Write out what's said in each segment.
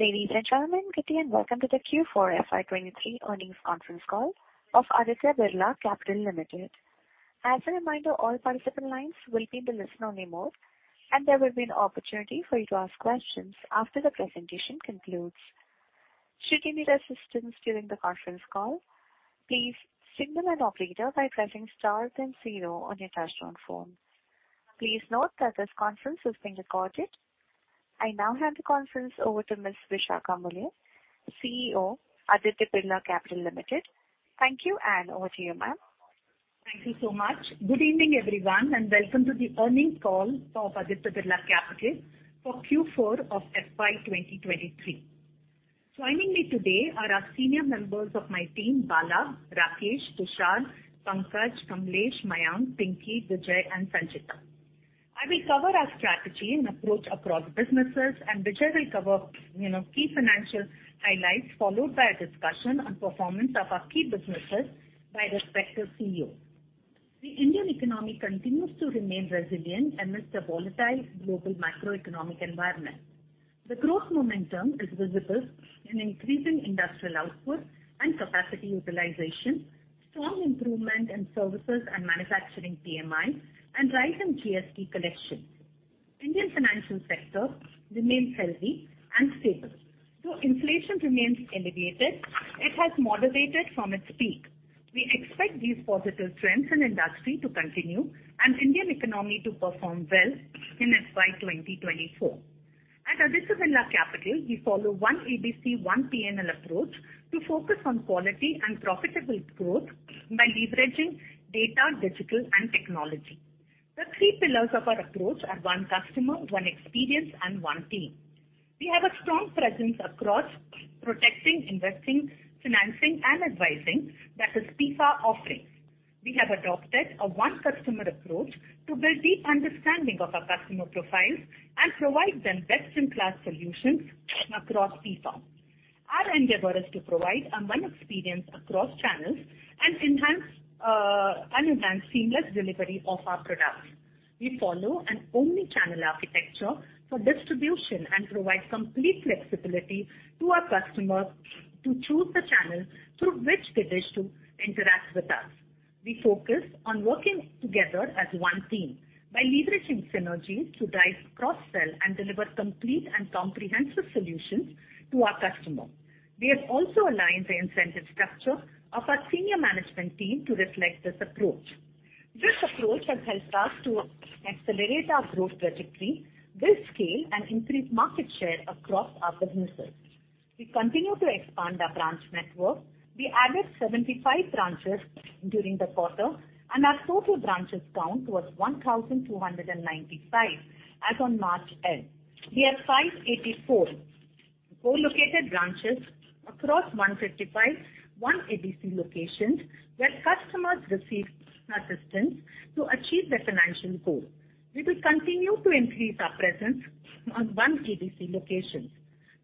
Ladies and gentlemen, good day and welcome to the Q4 FY 2023 earnings conference call of Aditya Birla Capital Limited. As a reminder, all participant lines will be in the listen-only mode, and there will be an opportunity for you to ask questions after the presentation concludes. Should you need assistance during the conference call, please signal an operator by pressing star then 0 on your touchtone phone. Please note that this conference is being recorded. I now hand the conference over to Ms. Vishakha Mulye, CEO, Aditya Birla Capital Limited. Thank you, and over to you, ma'am. Thank you so much. Good evening, everyone, and welcome to the earnings call of Aditya Birla Capital for Q4 of FY 2023. Joining me today are our senior members of my team, Bala, Rakesh, Tushar, Pankaj, Kamlesh, Mayank, Pinky, Vijay, and Sanchita. I will cover our strategy and approach across businesses, and Vijay will cover, you know, key financial highlights, followed by a discussion on performance of our key businesses by respective CEOs. The Indian economy continues to remain resilient amidst a volatile global macroeconomic environment. The growth momentum is visible in increasing industrial output and capacity utilization, strong improvement in services and manufacturing PMI, and rise in GST collections. Indian financial sector remains healthy and stable. Though inflation remains elevated, it has moderated from its peak. We expect these positive trends in industry to continue and Indian economy to perform well in FY 2024. At Aditya Birla Capital, we follow one ABC, one P&L approach to focus on quality and profitable growth by leveraging data, digital, and technology. The three pillars of our approach are one customer, one experience, and one team. We have a strong presence across protecting, investing, financing, and advising that is PIFA offerings. We have adopted a one customer approach to build deep understanding of our customer profiles and provide them best-in-class solutions across PIFA. Our endeavor is to provide a one experience across channels and enhance seamless delivery of our products. We follow an omni-channel architecture for distribution and provide complete flexibility to our customers to choose the channel through which they wish to interact with us. We focus on working together as one team by leveraging synergies to drive cross-sell and deliver complete and comprehensive solutions to our customers. We have also aligned the incentive structure of our senior management team to reflect this approach. This approach has helped us to accelerate our growth trajectory, build scale, and increase market share across our businesses. We continue to expand our branch network. We added 75 branches during the quarter, and our total branches count was 1,295 as on March end. We have 584 co-located branches across 155, One ABC locations where customers receive assistance to achieve their financial goal. We will continue to increase our presence on One ABC locations.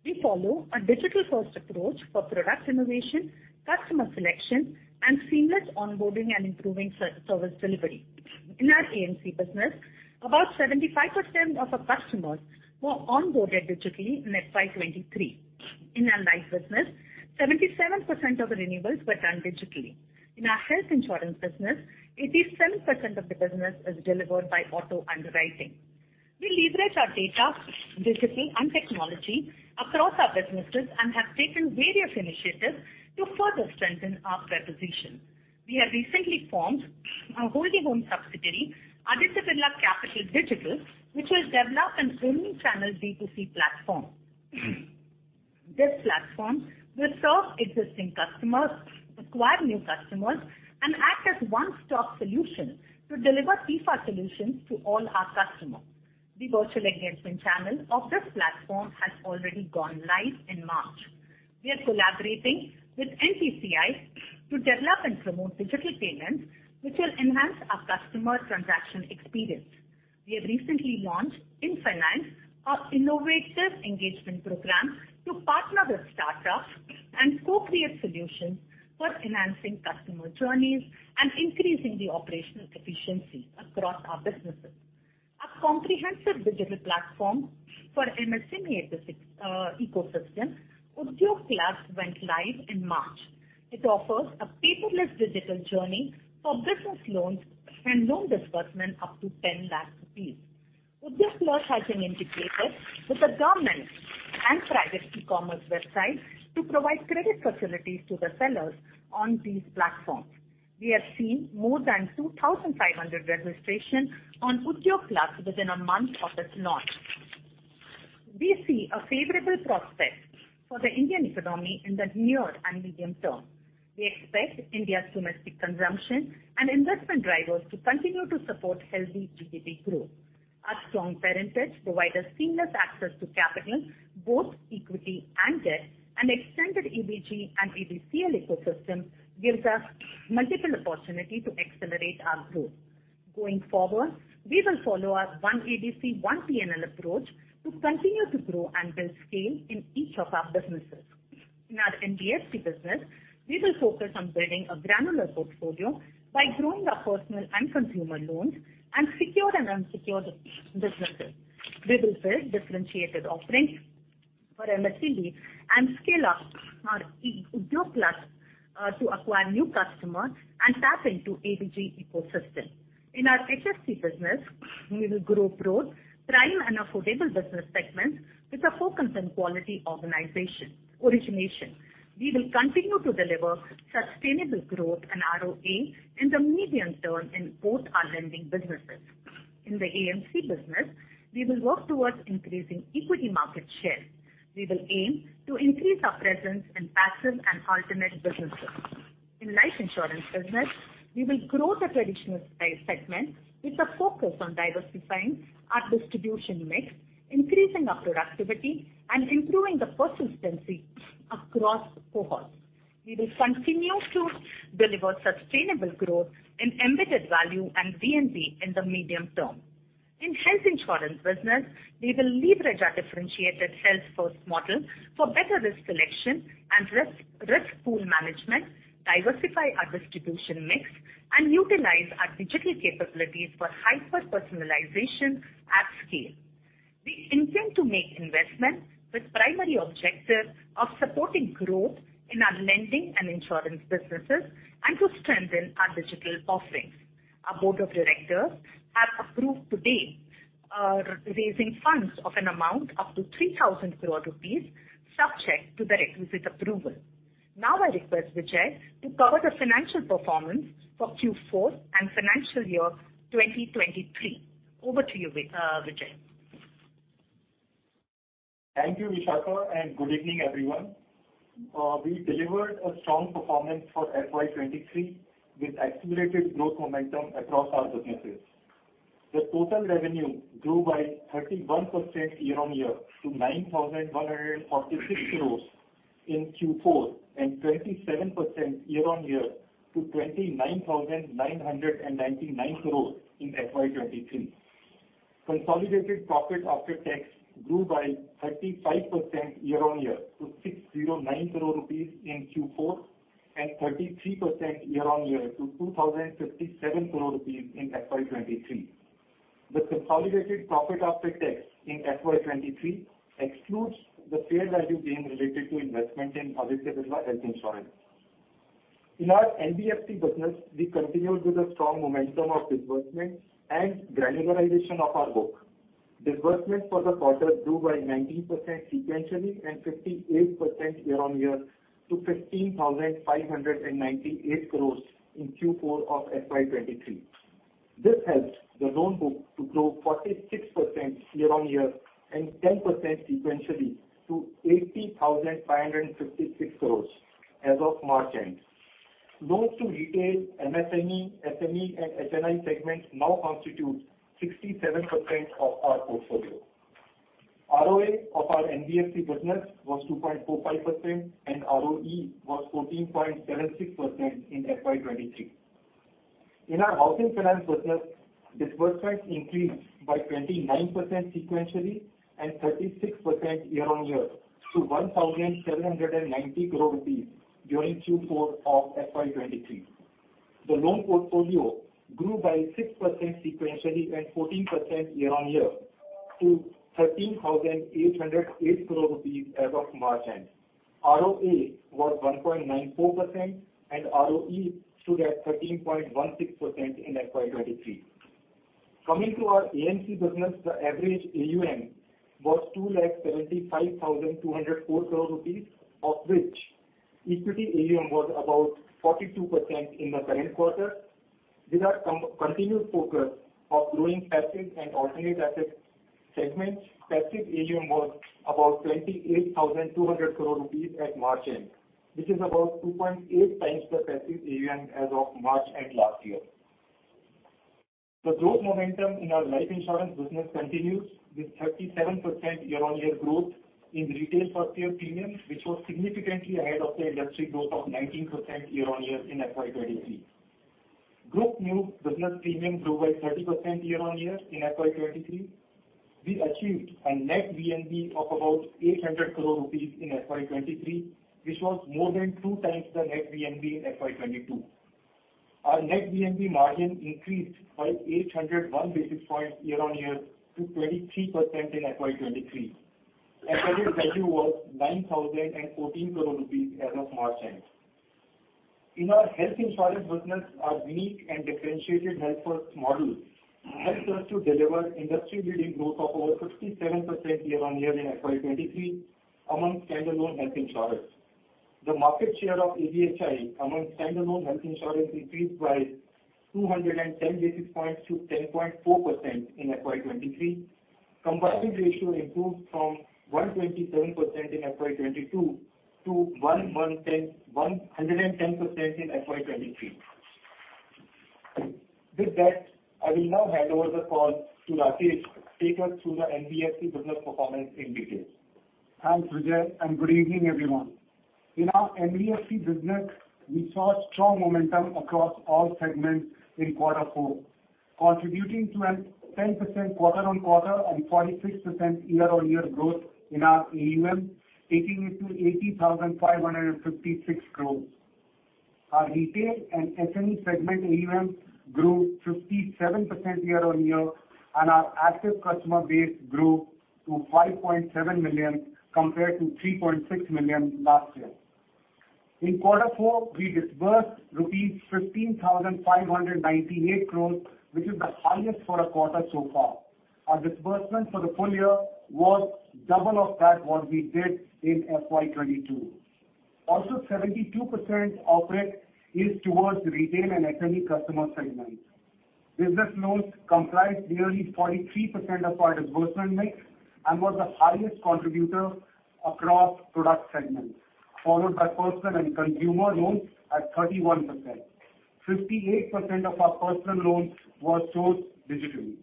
We follow a digital-first approach for product innovation, customer selection, and seamless onboarding and improving service delivery. In our AMC business, about 75% of our customers were onboarded digitally in FY23. In our life business, 77% of the renewals were done digitally. In our health insurance business, 87% of the business is delivered by auto underwriting. We leverage our data, digital, and technology across our businesses and have taken various initiatives to further strengthen our proposition. We have recently formed a wholly owned subsidiary, Aditya Birla Capital Digital, which will develop an omni-channel B2C platform. This platform will serve existing customers, acquire new customers, and act as one-stop solution to deliver PIFA solutions to all our customers. The virtual engagement channel of this platform has already gone live in March. We are collaborating with NPCI to develop and promote digital payments, which will enhance our customer transaction experience. We have recently launched inFinance, our innovative engagement program to partner with startups and co-create solutions for enhancing customer journeys and increasing the operational efficiency across our businesses. A comprehensive digital platform for MSME ecosystem, Udyog Plus went live in March. It offers a paperless digital journey for business loans and loan disbursement up to 10 lakh rupees. Udyog Plus has been integrated with the government and private e-commerce websites to provide credit facilities to the sellers on these platforms. We have seen more than 2,500 registrations on Udyog Plus within a month of its launch. We see a favorable prospect for the Indian economy in the near and medium term. We expect India's domestic consumption and investment drivers to continue to support healthy GDP growth. Our strong parentage provides us seamless access to capital, both equity and debt. An extended ABG and ABCL ecosystem gives us multiple opportunity to accelerate our growth. Going forward, we will follow our One ABC, One P&L approach to continue to grow and build scale in each of our businesses. In our NBFC business, we will focus on building a granular portfolio by growing our personal and consumer loans and secure and unsecured businesses. We will build differentiated offerings for MSMEs and scale up our Udyog Plus to acquire new customers and tap into ABG ecosystem. In our HFC business, we will grow both prime and affordable business segments with a focus on quality origination. We will continue to deliver sustainable growth and ROA in the medium term in both our lending businesses. In the AMC business, we will work towards increasing equity market share. We will aim to increase our presence in passive and alternate businesses. In life insurance business, we will grow the traditional style segment with a focus on diversifying our distribution mix, increasing our productivity, and improving the persistency across cohorts. We will continue to deliver sustainable growth in embedded value and VNB in the medium term. In health insurance business, we will leverage our differentiated Health First model for better risk selection and risk pool management, diversify our distribution mix, and utilize our digital capabilities for hyper-personalization at scale. We intend to make investments with primary objective of supporting growth in our lending and insurance businesses and to strengthen our digital offerings. Our board of directors have approved today raising funds of an amount up to 3,000 crore rupees subject to the requisite approval. I request Vijay to cover the financial performance for Q4 and financial year 2023. Over to you Vijay. Thank you, Vishakha, and good evening, everyone. We delivered a strong performance for FY 2023 with accelerated growth momentum across our businesses. The total revenue grew by 31% year-on-year to 9,146 crores in Q4 and 27% year-on-year to 29,999 crores in FY 2023. Consolidated profit after tax grew by 35% year-on-year to 609 crore rupees in Q4 and 33% year-on-year to 2,057 crore rupees in FY 2023. The consolidated profit after tax in FY 2023 excludes the fair value gain related to investment in Aditya Birla Health Insurance. In our NBFC business, we continued with the strong momentum of disbursement and granularization of our book. Disbursement for the quarter grew by 19% sequentially and 58% year-on-year to 15,598 crores in Q4 of FY 2023. This helped the loan book to grow 46% year-on-year and 10% sequentially to 80,556 crore as of March end. Loans to retail MSME, SME, and HNI segments now constitute 67% of our portfolio. ROA of our NBFC business was 2.45% and ROE was 14.76% in FY 2023. In our housing finance business, disbursements increased by 29% sequentially and 36% year-on-year to 1,790 crore rupees during Q4 of FY 2023. The loan portfolio grew by 6% sequentially and 14% year-on-year to 13,808 crore rupees as of March end. ROA was 1.94% and ROE stood at 13.16% in FY 2023. Coming to our AMC business, the average AUM was 2,75,204 crore rupees, of which equity AUM was about 42% in the current quarter. With our continued focus of growing passive and alternate asset segments, passive AUM was about 28,200 crore rupees at March end, which is about 2.8 times the passive AUM as of March end last year. The growth momentum in our life insurance business continues with 37% year-on-year growth in retail first year premium, which was significantly ahead of the industry growth of 19% year-on-year in FY23. Group new business premium grew by 30% year-on-year in FY23. We achieved a net VNB of about 800 crore rupees in FY23, which was more than 2 times the net VNB in FY22. Our net VNB margin increased by 801 basis points year-on-year to 23% in FY23. Embedded value was 9,014 crore rupees as of March end. In our health insurance business, our unique and differentiated Health First model helps us to deliver industry-leading growth of over 67% year-on-year in FY23 among standalone health insurance. The market share of ABHI among standalone health insurance increased by 210 basis points to 10.4% in FY23. Combined ratio improved from 127% in FY22 to 110% in FY23. With that, I will now hand over the call to Rakesh to take us through the NBFC business performance in detail. Thanks, Vijay, and good evening, everyone. In our NBFC business, we saw strong momentum across all segments in Q4. Contributing to a 10% quarter-on-quarter and 46% year-on-year growth in our AUM, taking it to 80,556 crores. Our retail and SME segment AUM grew 57% year-on-year, and our active customer base grew to 5.7 million compared to 3.6 million last year. In Q4, we disbursed rupees 15,598 crores, which is the highest for a quarter so far. Our disbursement for the full year was double of that what we did in FY 2022. 72% of it is towards retail and SME customer segments. Business loans comprise nearly 43% of our disbursement mix and was the highest contributor across product segments, followed by personal and consumer loans at 31%. 58% of our personal loans was sourced digitally.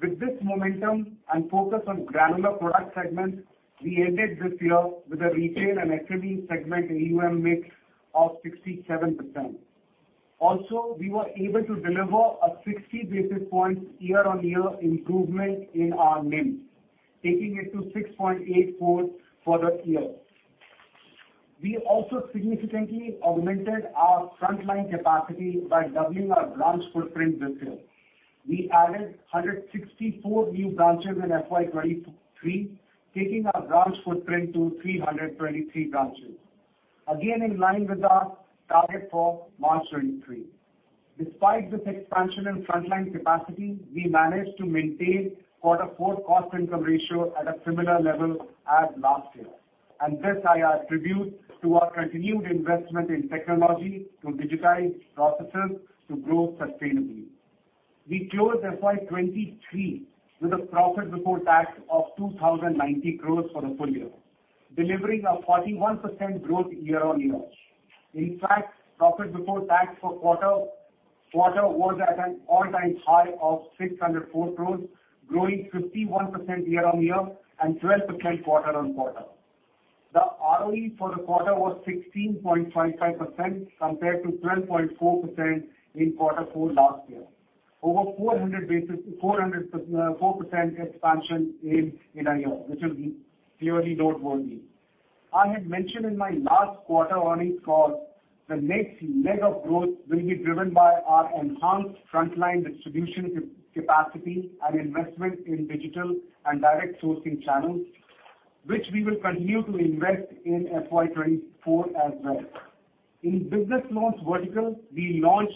With this momentum and focus on granular product segments, we ended this year with a retail and SME segment AUM mix of 67%. We were able to deliver a 60-basis points year-on-year improvement in our NIM, taking it to 6.84 for the year. We also significantly augmented our frontline capacity by doubling our branch footprint this year. We added 164 new branches in FY2023, taking our branch footprint to 323 branches. Again, in line with our target for March 2023. Despite this expansion in frontline capacity, we managed to maintain Q4 cost-income ratio at a similar level as last year. This I attribute to our continued investment in technology to digitize processes to grow sustainably. We closed FY23 with a profit before tax of 2,090 crore for the full year, delivering a 41% growth year-on-year. In fact, profit before tax for quarter was at an all-time high of 604 crore, growing 51% year-on-year and 12% quarter-on-quarter. The ROE for the quarter was 16.55% compared to 12.4% in Q4 last year. 4% expansion in a year, which is clearly noteworthy. I had mentioned in my last quarter earnings call the next leg of growth will be driven by our enhanced frontline distribution capacity and investment in digital and direct sourcing channels, which we will continue to invest in FY 2024 as well. In business loans vertical, we launched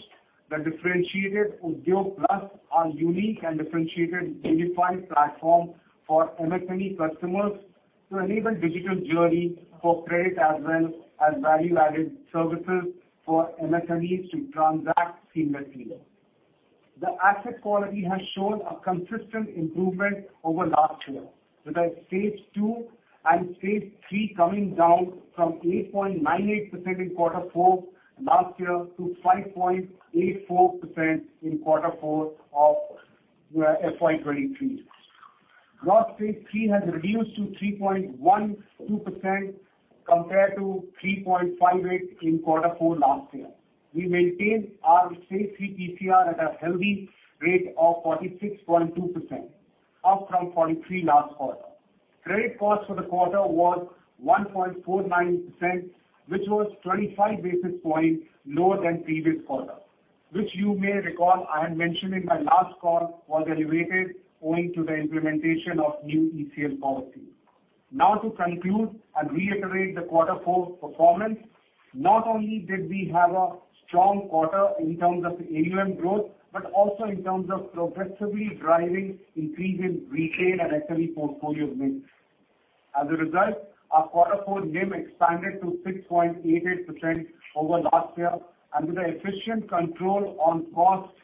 the differentiated Udyog Plus, our unique and differentiated unified platform for MSME customers to enable digital journey for credit as well as value-added services for MSMEs to transact seamlessly. The asset quality has shown a consistent improvement over last year, with our Stage Two and Stage Three coming down from 8.98% in Q4 last year to 5.84% in Q4 of FY 2023. Gross Stage Three has reduced to 3.12% compared to 3.58% in Q4 last year. We maintained our Stage Three PCR at a healthy rate of 46.2%, up from 43% last quarter. Credit cost for the quarter was 1.49%, which was 25 basis points lower than previous quarter, which you may recall I had mentioned in my last call was elevated owing to the implementation of new ECL policy. To conclude and reiterate the quarter four performance, not only did we have a strong quarter in terms of the AUM growth, but also in terms of progressively driving increase in retail and SME portfolio mix. As a result, our quarter four NIM expanded to 6.88% over last year. With a efficient control on costs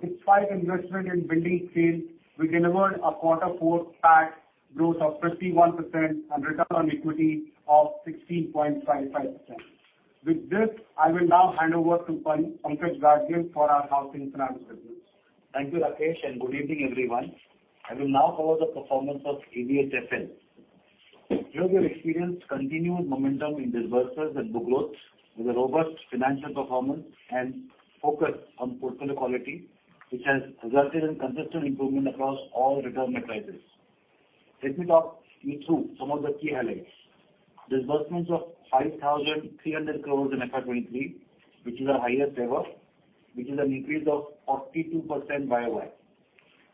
despite investment in building sales, we delivered a quarter four PAT growth of 51% and return on equity of 16.55%. With this, I will now hand over to Pankaj Gadgil for our housing finance business. Thank you, Rakesh, and good evening, everyone. I will now cover the performance of ABHFL. We have experienced continued momentum in disbursements and book growth with a robust financial performance and focus on portfolio quality, which has resulted in consistent improvement across all return metrics. Let me talk you through some of the key highlights. Disbursements of 5,300 crores in FY23, which is our highest ever, which is an increase of 42% YOY.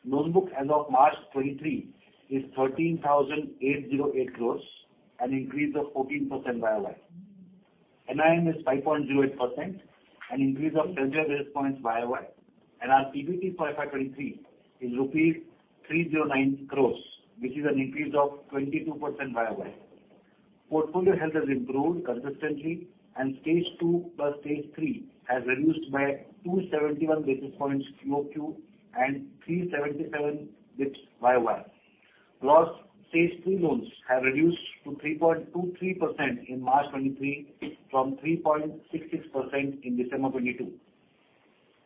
Loans book as of March 23 is 13,808 crores, an increase of 14% YOY. NIM is 5.08%, an increase of 100 basis points YOY. Our PBT for FY23 is rupees 309 crores, which is an increase of 22% YOY. Portfolio health has improved consistently. Stage Two plus Stage Three has reduced by 271 basis points QoQ and 377 basis points YOY. Stage Three loans have reduced to 3.23% in March 2023 from 3.66% in December 2022.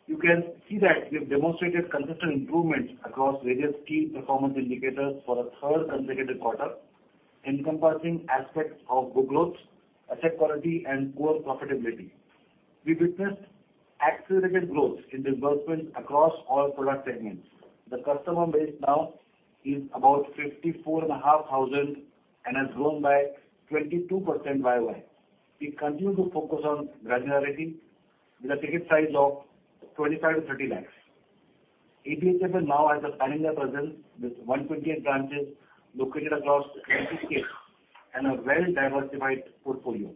You can see that we have demonstrated consistent improvements across various key performance indicators for the third consecutive quarter. Encompassing aspects of good growth, asset quality, and poor profitability. We witnessed accelerated growth in disbursements across all product segments. The customer base now is about 54,500 and has grown by 22% YOY. We continue to focus on granularity with a ticket size of 25-30 lakhs. ABFSL now has a stronger presence with 128 branches located across 20 states and a well-diversified portfolio.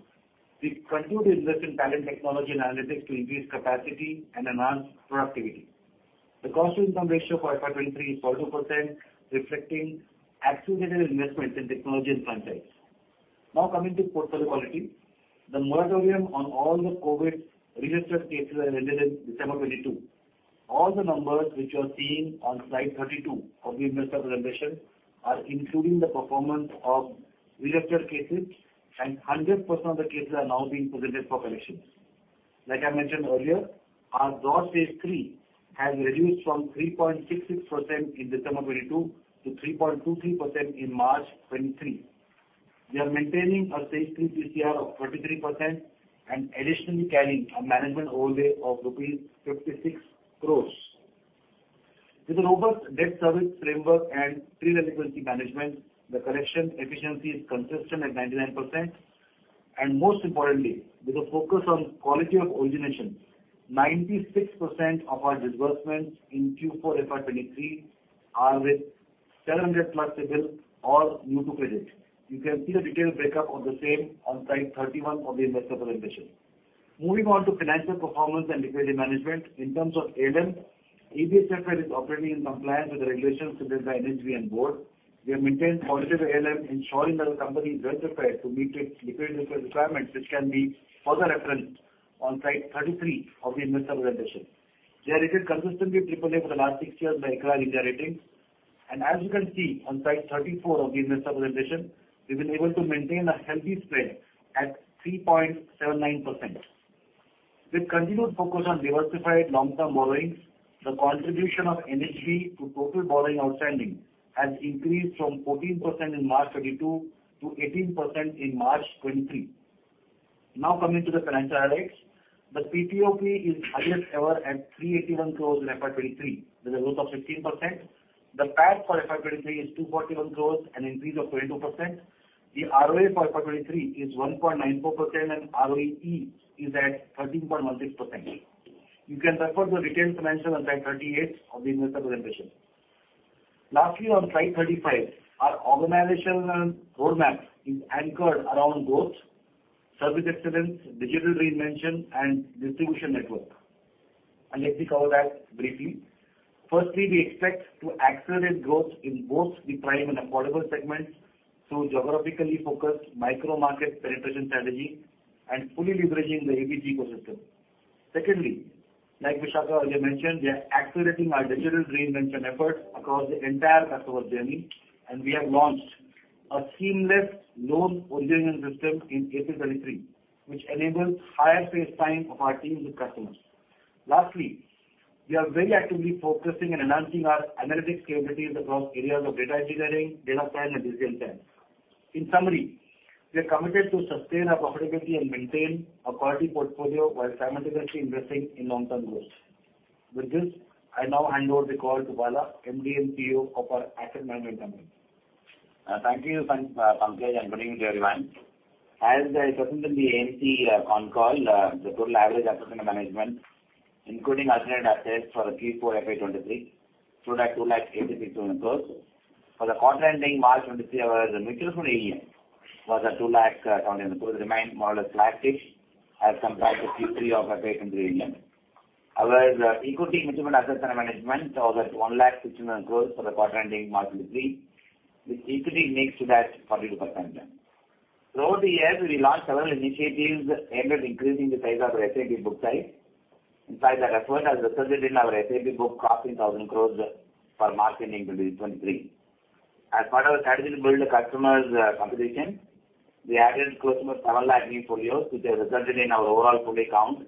We continue to invest in talent, technology, and analytics to increase capacity and enhance productivity. The cost-to-income ratio for FY23 is 40%, reflecting accelerated investments in technology and front end. Now coming to portfolio quality. The moratorium on all the COVID-related cases were ended in December 2022. All the numbers which you are seeing on Slide 32 of the investor presentation are including the performance of rejected cases, and 100% of the cases are now being presented for collections. Like I mentioned earlier, our gross Stage Three has reduced from 3.66% in December 2022 to 3.23% in March 2023. We are maintaining our Stage Three PCR of 43% and additionally carrying a management overlay of rupees 56 crores. With a robust debt service framework and pre-delinquency management, the collection efficiency is consistent at 99%. Most importantly, with a focus on quality of origination, 96% of our disbursements in Q4 FY23 are with 700+ CIBIL or new to credit. You can see the detailed breakup of the same on Slide 31 of the investor presentation. Moving on to financial performance and liquidity management. In terms of ALM, ABFSL is operating in compliance with the regulations set by NHB and Board. We have maintained positive ALM, ensuring that the company is well prepared to meet its liquidity requirements, which can be further referenced on Slide 33 of the investor presentation. We are rated consistently Triple A for the last six years by ICRA India Ratings. As you can see on Slide 34 of the investor presentation, we've been able to maintain a healthy spread at 3.79%. With continued focus on diversified long-term borrowings, the contribution of NHB to total borrowing outstanding has increased from 14% in March 2022 to 18% in March 2023. Now coming to the financial highlights. The PPOP is highest ever at 381 crores in FY 2023, with a growth of 15%. The PAT for FY 2023 is 241 crores, an increase of 22%. The ROA for FY 2023 is 1.94%, and ROE is at 13.16%. You can refer the detailed financial on Slide 38 of the investor presentation. Lastly, on Slide 35, our organizational roadmap is anchored around growth, service excellence, digital reinvention, and distribution network, and let me cover that briefly. Firstly, we expect to accelerate growth in both the prime and affordable segments through geographically focused micro-market penetration strategy and fully leveraging the ABG ecosystem. Secondly, like Vishaka earlier mentioned, we are accelerating our digital reinvention efforts across the entire customer journey, and we have launched a seamless loan origination system in April 2023, which enables higher face time of our teams with customers. Lastly, we are very actively focusing on enhancing our analytics capabilities across areas of data engineering, data science, and digital tech. In summary, we are committed to sustain our profitability and maintain a quality portfolio while simultaneously investing in long-term growth. With this, I now hand over the call to Bala, MD & CEO of our asset management company. Thank you, Pankaj, good evening to everyone. As I presented the AMC on call, the total average asset under management, including alternate assets for Q4 FY 2023 stood at INR 286,000 crores. For the quarter ending March 2023, our mutual fund AUM was at INR 270,000 crores, remained more or less flat-ish as compared to Q3 of FY 2023 AUM. Our equity mutual fund asset under management was at 169 crores for the quarter ending March 2023, with equity mix to that 42%. Throughout the year, we launched several initiatives aimed at increasing the size of our SAP book size. Our effort has resulted in our SAP book crossing INR 1,000 crores for March ending 2023. As part of our strategy to build the customers, competition, we added close to 7 lakh new portfolios, which has resulted in our overall fully account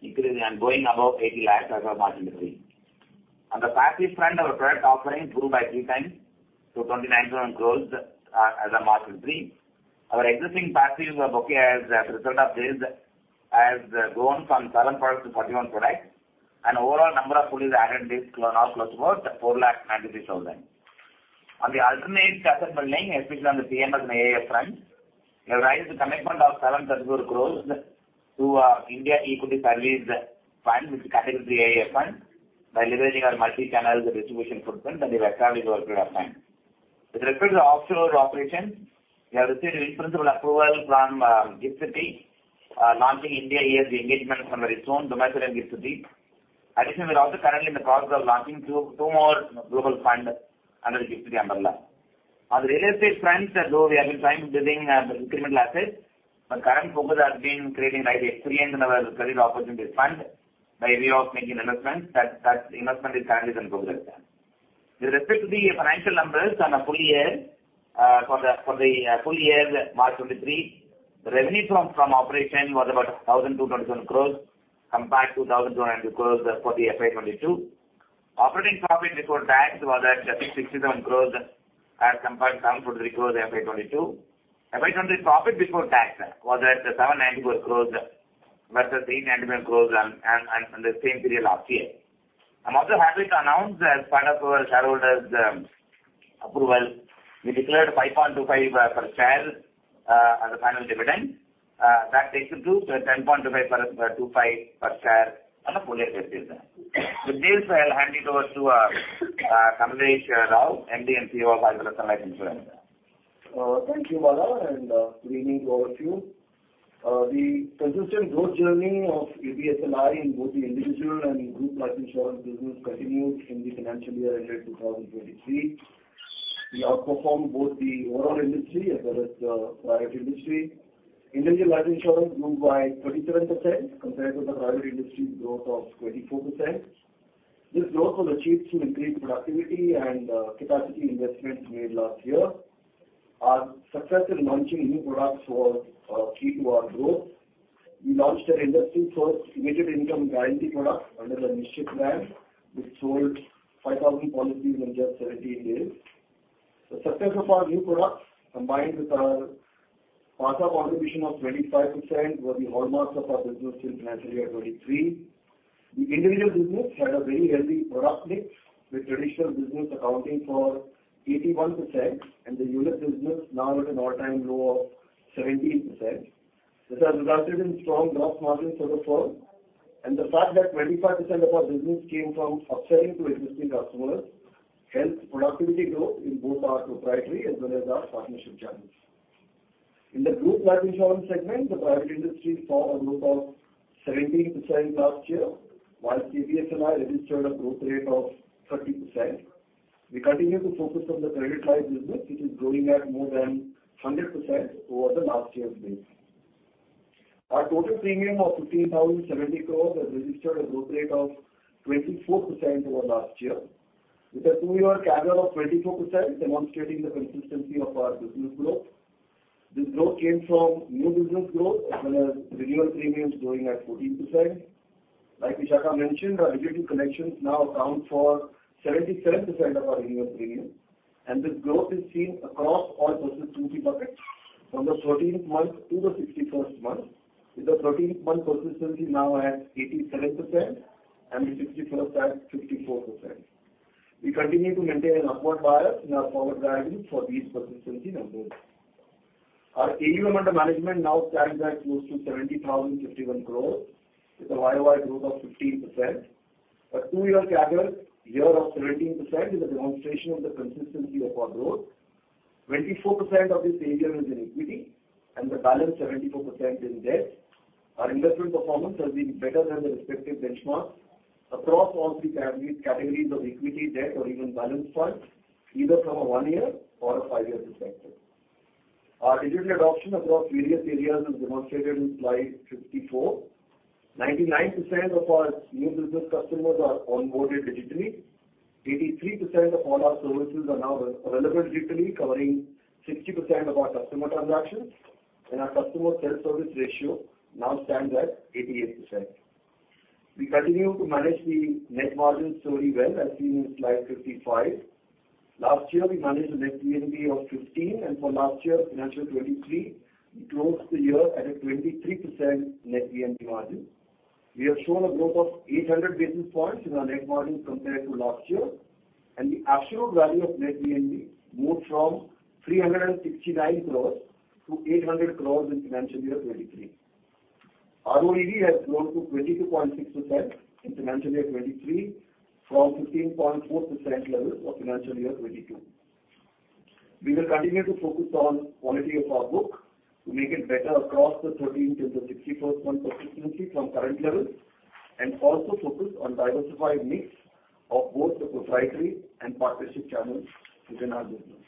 increasing and going above 80 lakh as of March 2023. On the passive front, our product offering grew by 3 times to 29,000 crore as of March 2023. Our existing passive book as a result of this has grown from 7 products to 41 products, and overall number of fully added this now close to 4.93 lakh. On the alternate asset building, especially on the PMS and AIF front, we have raised the commitment of 7,000 crore to our India equity trustees fund, which is connected to the AIF fund by leveraging our multi-channel distribution footprint and established over a period of time. With respect to the offshore operations, we have received in-principal approval from Gift City, launching India year's engagement on its own, domestic and Gift City. Additionally, we are also currently in the process of launching two more global fund under the Gift City umbrella. On the real estate front, though we have been fine building the incremental asset, but current focus has been creating right experience in our credit opportunities fund by way of making investments that investment is currently in progress. With respect to the financial numbers on a full year, for the full year March 2023, the revenue from operation was about 1,227 crores compared to 1,200 crores for the FY 2022. Operating profit before tax was at 67 crores as compared 7.3 crores FY22. FY20 profit before tax was at 794 crores versus 399 crores on the same period last year. I'm also happy to announce that as part of our shareholders' approval, we declared 5.25 per share as a final dividend. That takes it to 10.25 per share. With this, I'll hand it over to Kamlesh Rao, MD & CEO of Aditya Birla Sun Life Insurance. Thank you, Bala, and good evening to all of you. The consistent growth journey of ABSLI in both the individual and group life insurance business continued in the financial year ended 2023. We outperformed both the overall industry as well as the private industry. Individual life insurance grew by 37% compared to the private industry growth of 24%. This growth was achieved through increased productivity and capacity investments made last year. Our success in launching new products was key to our growth. We launched an industry-first immediate income guarantee product under the Nishchay Plan, which sold 5,000 policies in just 17 days. The success of our new products, combined with our PAR's contribution of 25%, were the hallmarks of our business in financial year 2023. The individual business had a very healthy product mix, with traditional business accounting for 81% and the unit business now at an all-time low of 17%. This has resulted in strong gross margins for the firm. The fact that 25% of our business came from upselling to existing customers helped productivity growth in both our proprietary as well as our partnership channels. In the group life insurance segment, the private industry saw a growth of 17% last year, while ABSLI registered a growth rate of 30%. We continue to focus on the credit life business, which is growing at more than 100% over the last year's base. Our total premium of 15,070 crores has registered a growth rate of 24% over last year. With a two-year CAGR of 24%, demonstrating the consistency of our business growth. This growth came from new business growth as well as renewal premiums growing at 14%. Like Vishakha mentioned, our digital connections now account for 77% of our renewal premium, and this growth is seen across all persistency buckets from the 13th month to the 61st month, with the 13th month persistency now at 87% and the 61st at 54%. We continue to maintain an upward bias in our forward guidance for these persistency numbers. Our AUM under management now stands at close to 70,051 crores with a YOY growth of 15%. A 2-year CAGR here of 17% is a demonstration of the consistency of our growth. 24% of this AUM is in equity and the balance 72% in debt. Our investment performance has been better than the respective benchmarks across all three categories of equity, debt or even balance funds, either from a one-year or a five-year perspective. Our digital adoption across various areas is demonstrated in Slide 54. 99% of our new business customers are onboarded digitally. 83% of all our services are now available digitally, covering 60% of our customer transactions. Our customer self-service ratio now stands at 88%. We continue to manage the net margin solely well, as seen in Slide 55. Last year, we managed a net PMP of 15, and for last year, financial 2023, we closed the year at a 23% net PMP margin. We have shown a growth of 800 basis points in our net margin compared to last year. The absolute value of net PMP moved from 369 crores to 800 crores in financial year 2023. ROE has grown to 22.6% in financial year 2023 from 15.4% levels of financial year 2022. We will continue to focus on quality of our book to make it better across the 13th to the 61st month persistency from current levels and also focus on diversified mix of both the proprietary and partnership channels within our business.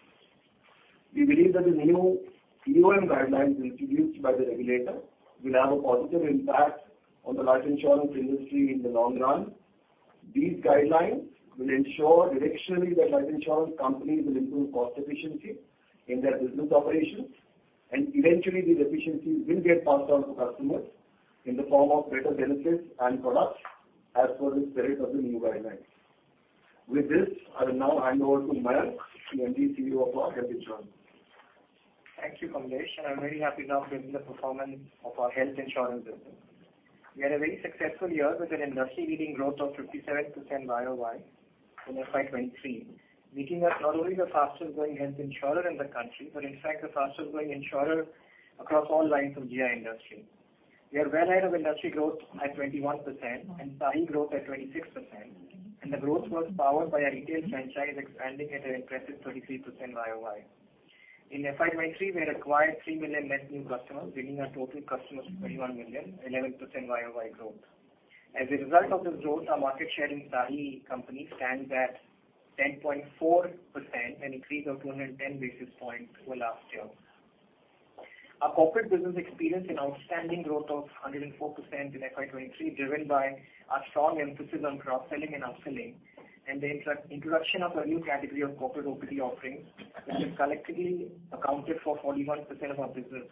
We believe that the new EoM guidelines introduced by the regulator will have a positive impact on the life insurance industry in the long run. These guidelines will ensure directionally that life insurance companies will improve cost efficiency in their business operations. Eventually these efficiencies will get passed on to customers in the form of better benefits and products as per the spirit of the new guidelines. With this, I will now hand over to Mayank, CMD CEO of our health insurance. Thank you, Kamlesh. I'm very happy now to give the performance of our health insurance business. We had a very successful year with an industry-leading growth of 57% YOY in FY 23, making us not only the fastest growing health insurer in the country, but in fact the fastest growing insurer across all lines of GI industry. We are well ahead of industry growth at 21% and SAHI growth at 26%. The growth was powered by our retail franchise expanding at an impressive 33% YOY. In FY 23, we acquired 3 million net new customers, bringing our total customers to 21 million, 11% YOY growth. As a result of this growth, our market share in SAHI company stands at 10.4%, an increase of 210 basis points over last year. Our corporate business experienced an outstanding growth of 104% in FY23, driven by our strong emphasis on cross-selling and upselling and the introduction of a new category of corporate OPD offerings, which have collectively accounted for 41% of our business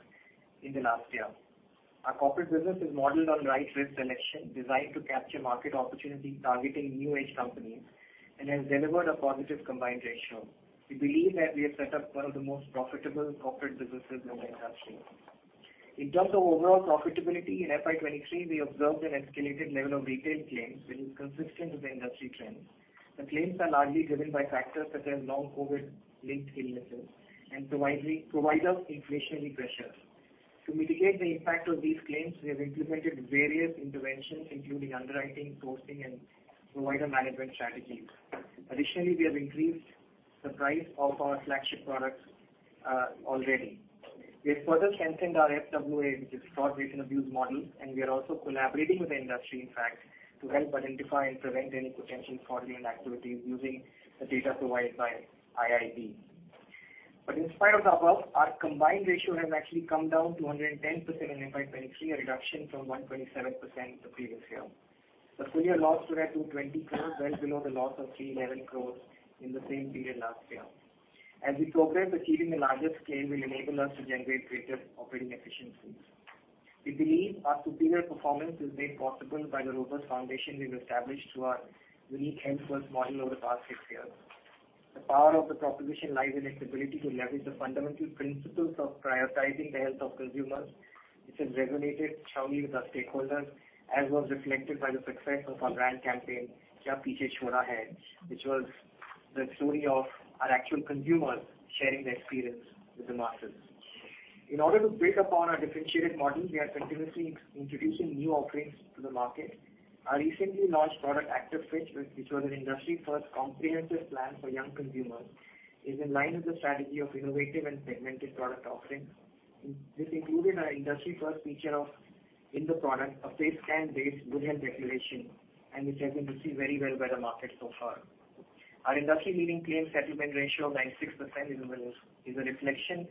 in the last year. Our corporate business is modeled on right risk selection designed to capture market opportunity targeting new-age companies and has delivered a positive combined ratio. We believe that we have set up one of the most profitable corporate businesses in the industry. In terms of overall profitability in FY23, we observed an escalated level of retail claims that is consistent with the industry trends. The claims are largely driven by factors such as non-COVID linked illnesses and providers inflationary pressures. To mitigate the impact of these claims, we have implemented various interventions, including underwriting, sourcing and provider management strategies. Additionally, we have increased the price of our flagship products already. We have further strengthened our FWA, which is Fraud Waste and Abuse model, and we are also collaborating with the industry, in fact, to help identify and prevent any potential fraudulent activities using the data provided by IIB. In spite of the above, our combined ratio has actually come down to 110% in FY23, a reduction from 127% the previous year. The full year loss stood at 220 crores, well below the loss of 311 crores in the same period last year. As we progress, achieving a larger scale will enable us to generate greater operating efficiencies. We believe our superior performance is made possible by the robust foundation we've established through our unique Health First model over the past six years. The power of the proposition lies in its ability to leverage the fundamental principles of prioritizing the health of consumers, which has resonated strongly with our stakeholders, as was reflected by the success of our brand campaign, Kya Peechhe Chhodaa Hai, which was the story of our actual consumers sharing their experience with the masses. In order to build upon our differentiated model, we are continuously introducing new offerings to the market. Our recently launched product, Activ Fit, which was an industry first comprehensive plan for young consumers, is in line with the strategy of innovative and segmented product offerings. This included an industry first feature of in the product, a face scan based good health declaration, and which has been received very well by the market so far. Our industry leading claim settlement ratio of 96% is a reflection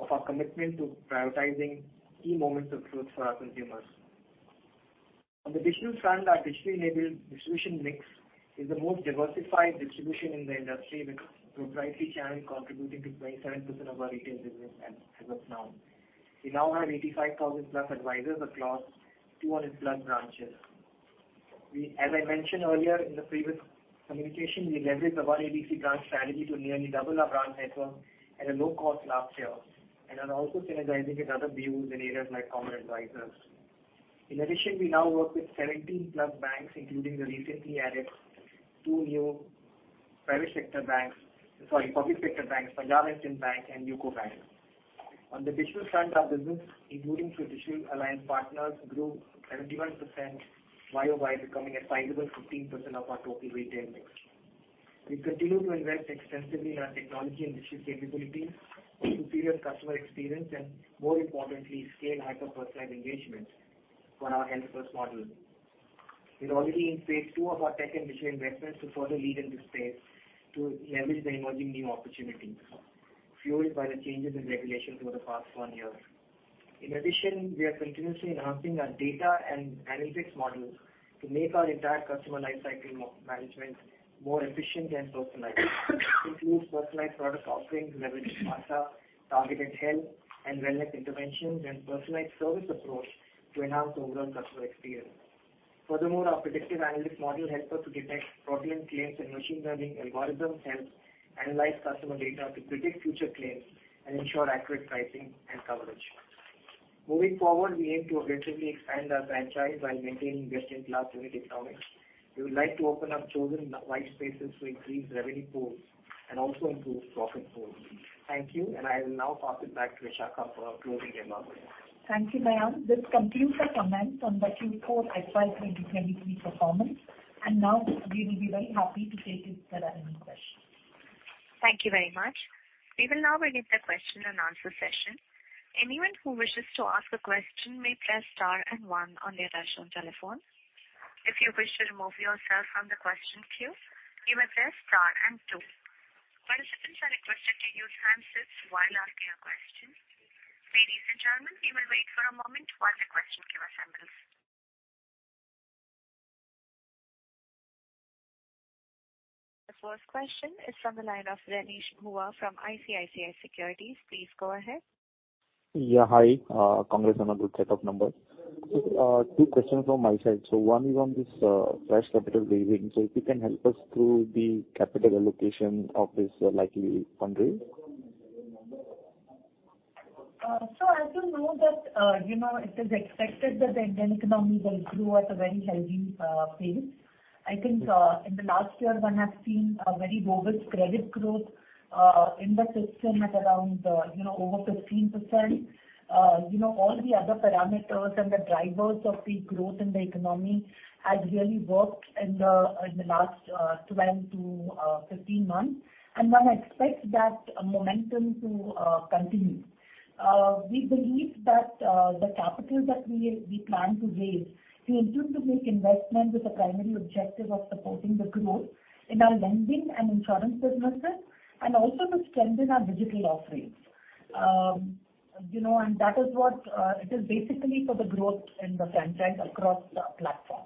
of our commitment to prioritizing key moments of truth for our consumers. On the digital front, our digitally enabled distribution mix is the most diversified distribution in the industry, with Proprietary channel contributing to 27% of our retail business as of now. We now have 85,000+ advisors across 200+ branches. As I mentioned earlier in the previous communication, we leveraged our ABC branch strategy to nearly double our branch network at a low-cost last year and are also synergizing with other views in areas like corporate advisors. In addition, we now work with 17+ banks, including the recently added 2 new private sector banks. Sorry, public sector banks, Punjab National Bank and UCO Bank. On the digital front, our business, including strategic alliance partners, grew 71% year-over-year, becoming a sizable 15% of our total retail mix. We continue to invest extensively in our technology and digital capabilities to superior customer experience and more importantly, scale hyper-personalized engagement for our Health First model. We are already in phase two of our tech and digital investments to further lead in this space to leverage the emerging new opportunities fueled by the changes in regulations over the past one year. In addition, we are continuously enhancing our data and analytics models to make our entire customer lifecycle management more efficient and personalized. This includes personalized product offerings, revenue smarter, targeted health and wellness interventions, and personalized service approach to enhance overall customer experience. Furthermore, our predictive analytics model helps us to detect fraudulent claims and machine learning algorithms helps analyze customer data to predict future claims and ensure accurate pricing and coverage. Moving forward, we aim to organically expand our franchise while maintaining best in class unit economics. We would like to open up chosen white spaces to increase revenue pools and also improve profit pools. Thank you. I will now pass it back to Vishakha for our closing remarks. Thank you, Mayank. This concludes our comments on the Q4 FY 2023 performance. Now we will be very happy to take your relevant questions. Thank you very much. We will now begin the question-and-answer session. Anyone who wishes to ask a question may press star and one on their touchtone telephone. If you wish to remove yourself from the questions queue, you may press star and two. Participants are requested to use handsets while asking a question. Ladies and gentlemen, we will wait for a moment while the question queue assembles. The first question is from the line of Renish Bhuva from ICICI Securities. Please go ahead. Hi, congrats on a good set of numbers. Just two questions from my side. One is on this fresh capital raising. If you can help us through the capital allocation of this likely fundraise. As you know that, you know, it is expected that the Indian economy will grow at a very healthy pace. I think, in the last year one has seen a very robust credit growth in the system at around, you know, over 15%. You know, all the other parameters and the drivers of the growth in the economy has really worked in the last 12 to 15 months. One expects that momentum to continue. We believe that the capital that we plan to raise to include to make investment with the primary objective of supporting the growth in our lending and insurance businesses and also to strengthen our digital offerings. You know, that is what it is basically for the growth in the franchise across the platform.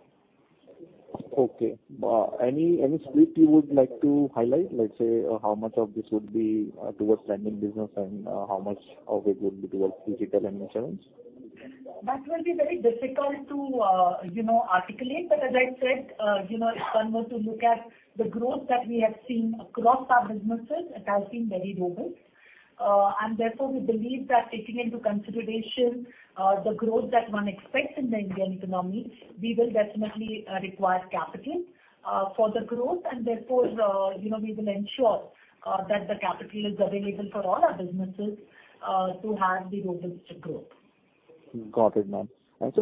Okay. Any split you would like to highlight? Let's say, how much of this would be towards lending business and how much of it would be towards digital and insurance? That will be very difficult to, you know, articulate. As I said, you know, if one were to look at the growth that we have seen across our businesses, it has been very robust. Therefore, we believe that taking into consideration, the growth that one expects in the Indian economy, we will definitely, require capital, for the growth and therefore, you know, we will ensure, that the capital is available for all our businesses, to have the robust growth. Got it, ma'am.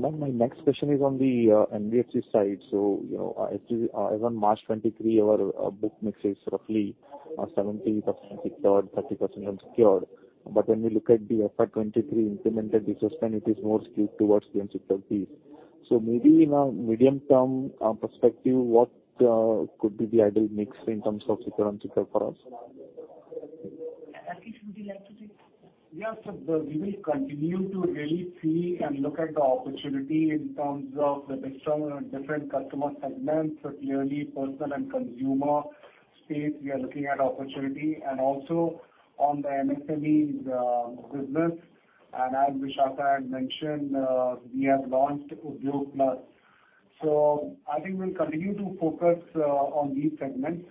Ma'am, my next question is on the NBFC side. You know, as to as on March 23, our book mix is roughly 70% secured, 30% unsecured. When we look at the FY 2023 implemented business then it is more skewed towards the unsecured piece. Maybe in a medium-term perspective, what could be the ideal mix in terms of secured, unsecured for us? Akash, would you like to take this? Yes. The, we will continue to really see and look at the opportunity in terms of the different customer segments. Clearly personal and consumer space we are looking at opportunity and also on the MSMEs business. As Vishakha had mentioned, we have launched Udyog Plus. I think we'll continue to focus on these segments.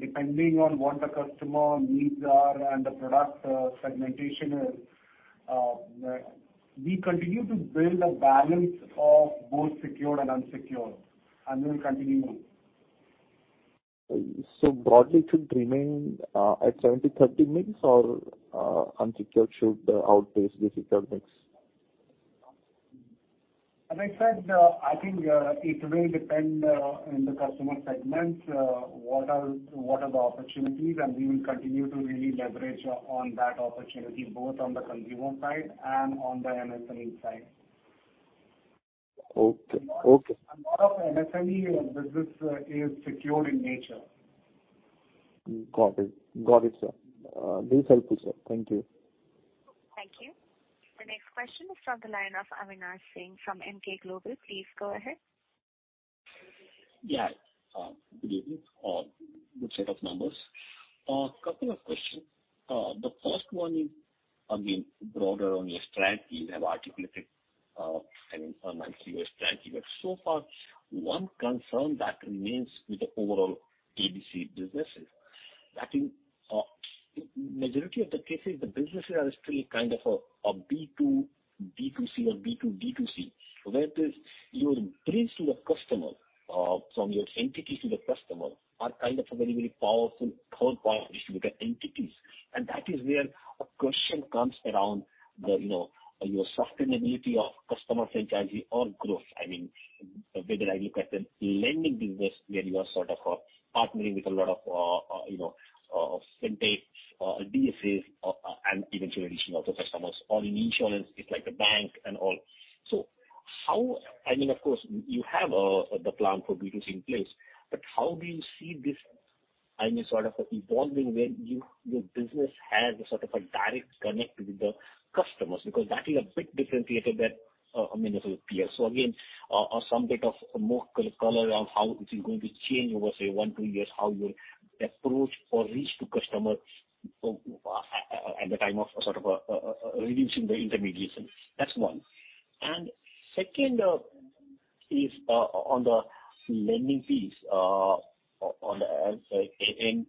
Depending on what the customer needs are and the product segmentation is, we continue to build a balance of both secured and unsecured, and we'll continue more. broadly it should remain at 70/30 mix or unsecured should outpace the secured mix? As I said, I think, it will depend, in the customer segments, what are the opportunities, and we will continue to really leverage on that opportunity both on the consumer side and on the MSME side. Okay. Okay. A lot of MSME business is secured in nature. Got it. Got it, sir. very helpful, sir. Thank you. Thank you. The next question is from the line of Avinash Singh from Emkay Global. Please go ahead. Good evening. Good set of numbers. Couple of questions. The first one is again broader on your strategy. You have articulated, I mean, a nice U.S. strategy. So far one concern that remains with the overall ABC businesses, that in majority of the cases the businesses are still kind of a B to B to C or B to D to C. Where it is your bridge to the customer, from your entity to the customer are kind of a very, very powerful third party with the entities. That is where a question comes around the, you know, your sustainability of customer franchisee or growth. I mean, whether I look at the lending business where you are sort of, partnering with a lot of, you know, FinTechs, DFIs, and eventually reaching out to customers or in insurance, it's like a bank and all. I mean, of course, you have the plan for B2C in place. How do you see this, I mean, sort of evolving when your business has a sort of a direct connect with the customers because that is a bit differentiated than many of your peers? Again, some bit of more color around how it is going to change over, say one, two years, how you approach or reach to customers, at the time of sort of, reducing the intermediation. That's one. Second, is on the lending fees, on the,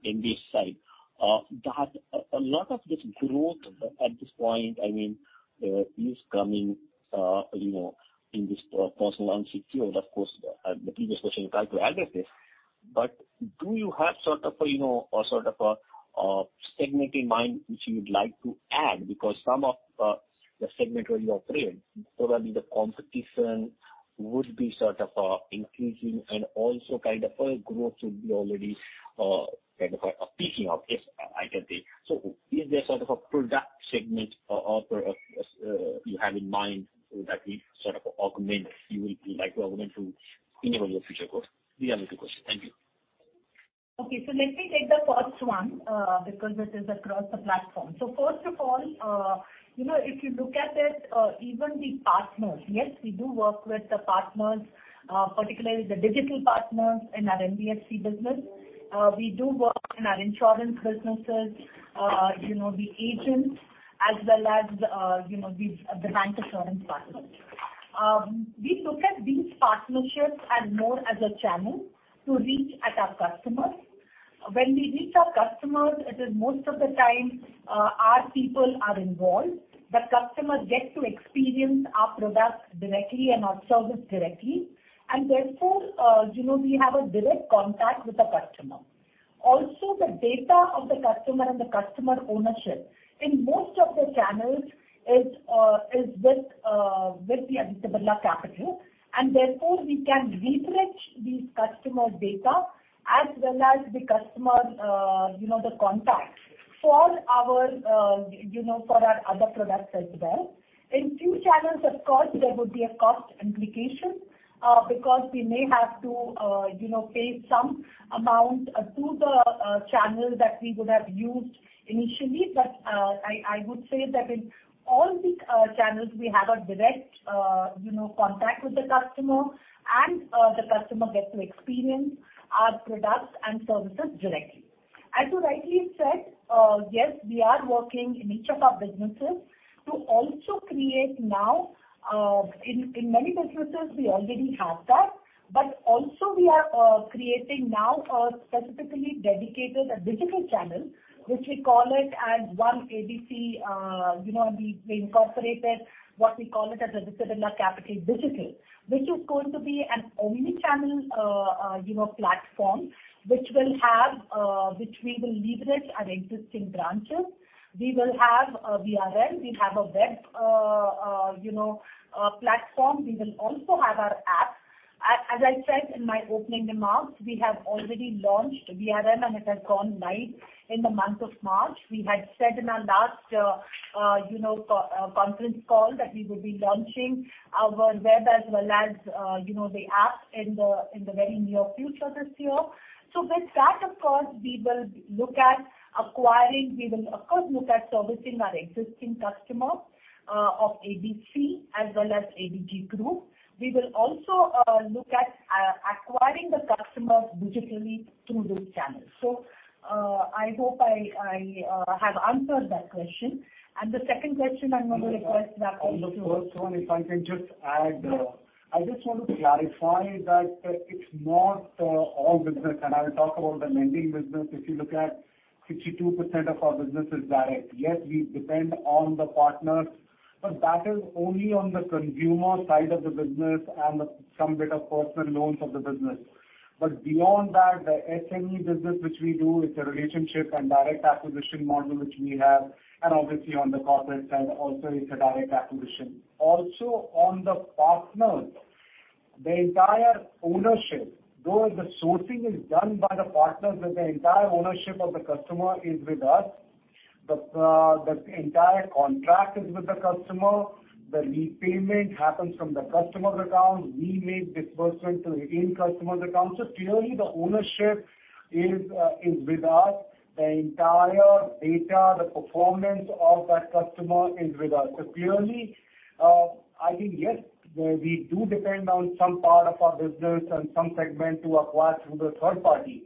in this side, that a lot of this growth at this point, I mean, is coming, you know, in this personal unsecured, of course, the previous question you tried to address this. Do you have sort of a, you know, a sort of a segment in mind which you would like to add? Because some of the segment where you operate, probably the competition would be sort of increasing and also kind of growth would be already kind of peaking out if I can say. Is there sort of a product segment or, you have in mind that we sort of augment you would like to augment to enable your future growth? These are my two questions. Thank you. Okay. Let me take the first one, because it is across the platform. First of all, you know, if you look at it, even the partners, yes, we do work with the partners, particularly the digital partners in our NBFC business. We do work in our insurance businesses, you know, the agents as well as, you know, the bank insurance partners. We look at these partnerships as more as a channel to reach at our customers. When we reach our customers, it is most of the time, our people are involved. The customers get to experience our product directly and our service directly and therefore, you know, we have a direct contact with the customer. The data of the customer and the customer ownership in most of the channels is with the Aditya Birla Capital, therefore we can leverage these customer data as well as the customer, you know, the contacts for our, you know, for our other products as well. In few channels of course there would be a cost implication, because we may have to, you know, pay some amount to the channel that we would have used initially. I would say that in all the channels we have a direct, you know, contact with the customer and the customer gets to experience our products and services directly. As you rightly said, yes, we are working in each of our businesses to also create now, in many businesses we already have that. Also, we are creating now a specifically dedicated digital channel, which we call it as One ABC. You know, we incorporated what we call it as Aditya Birla Capital Digital, which is going to be an omni-channel platform which will have, which we will leverage our existing branches. We will have a VRL, we have a web platform. We will also have our app. As I said in my opening remarks, we have already launched VRL, and it has gone live in the month of March. We had said in our last conference call that we will be launching our web as well as the app in the very near future this year. With that, of course, we will look at acquiring... We will of course look at servicing our existing customers, of ABC as well as ABG Group. We will also, look at acquiring the customers digitally through this channel. I hope I have answered that question. The second question, I'm gonna request Rakesh. On the first one, if I can just add. Yeah. I just want to clarify that it's not all business. I'll talk about the lending business. If you look at 62% of our business is direct. Yes, we depend on the partners, but that is only on the consumer side of the business and some bit of personal loans of the business. Beyond that, the SME business which we do, it's a relationship and direct acquisition model which we have and obviously on the corporate side also is a direct acquisition. Also on the partners, the entire ownership, though the sourcing is done by the partners but the entire ownership of the customer is with us. The entire contract is with the customer. The repayment happens from the customer's account. We make disbursement in customer's account. Clearly the ownership is with us. The entire data, the performance of that customer is with us. Clearly, I think, yes, we do depend on some part of our business and some segment to acquire through the third party.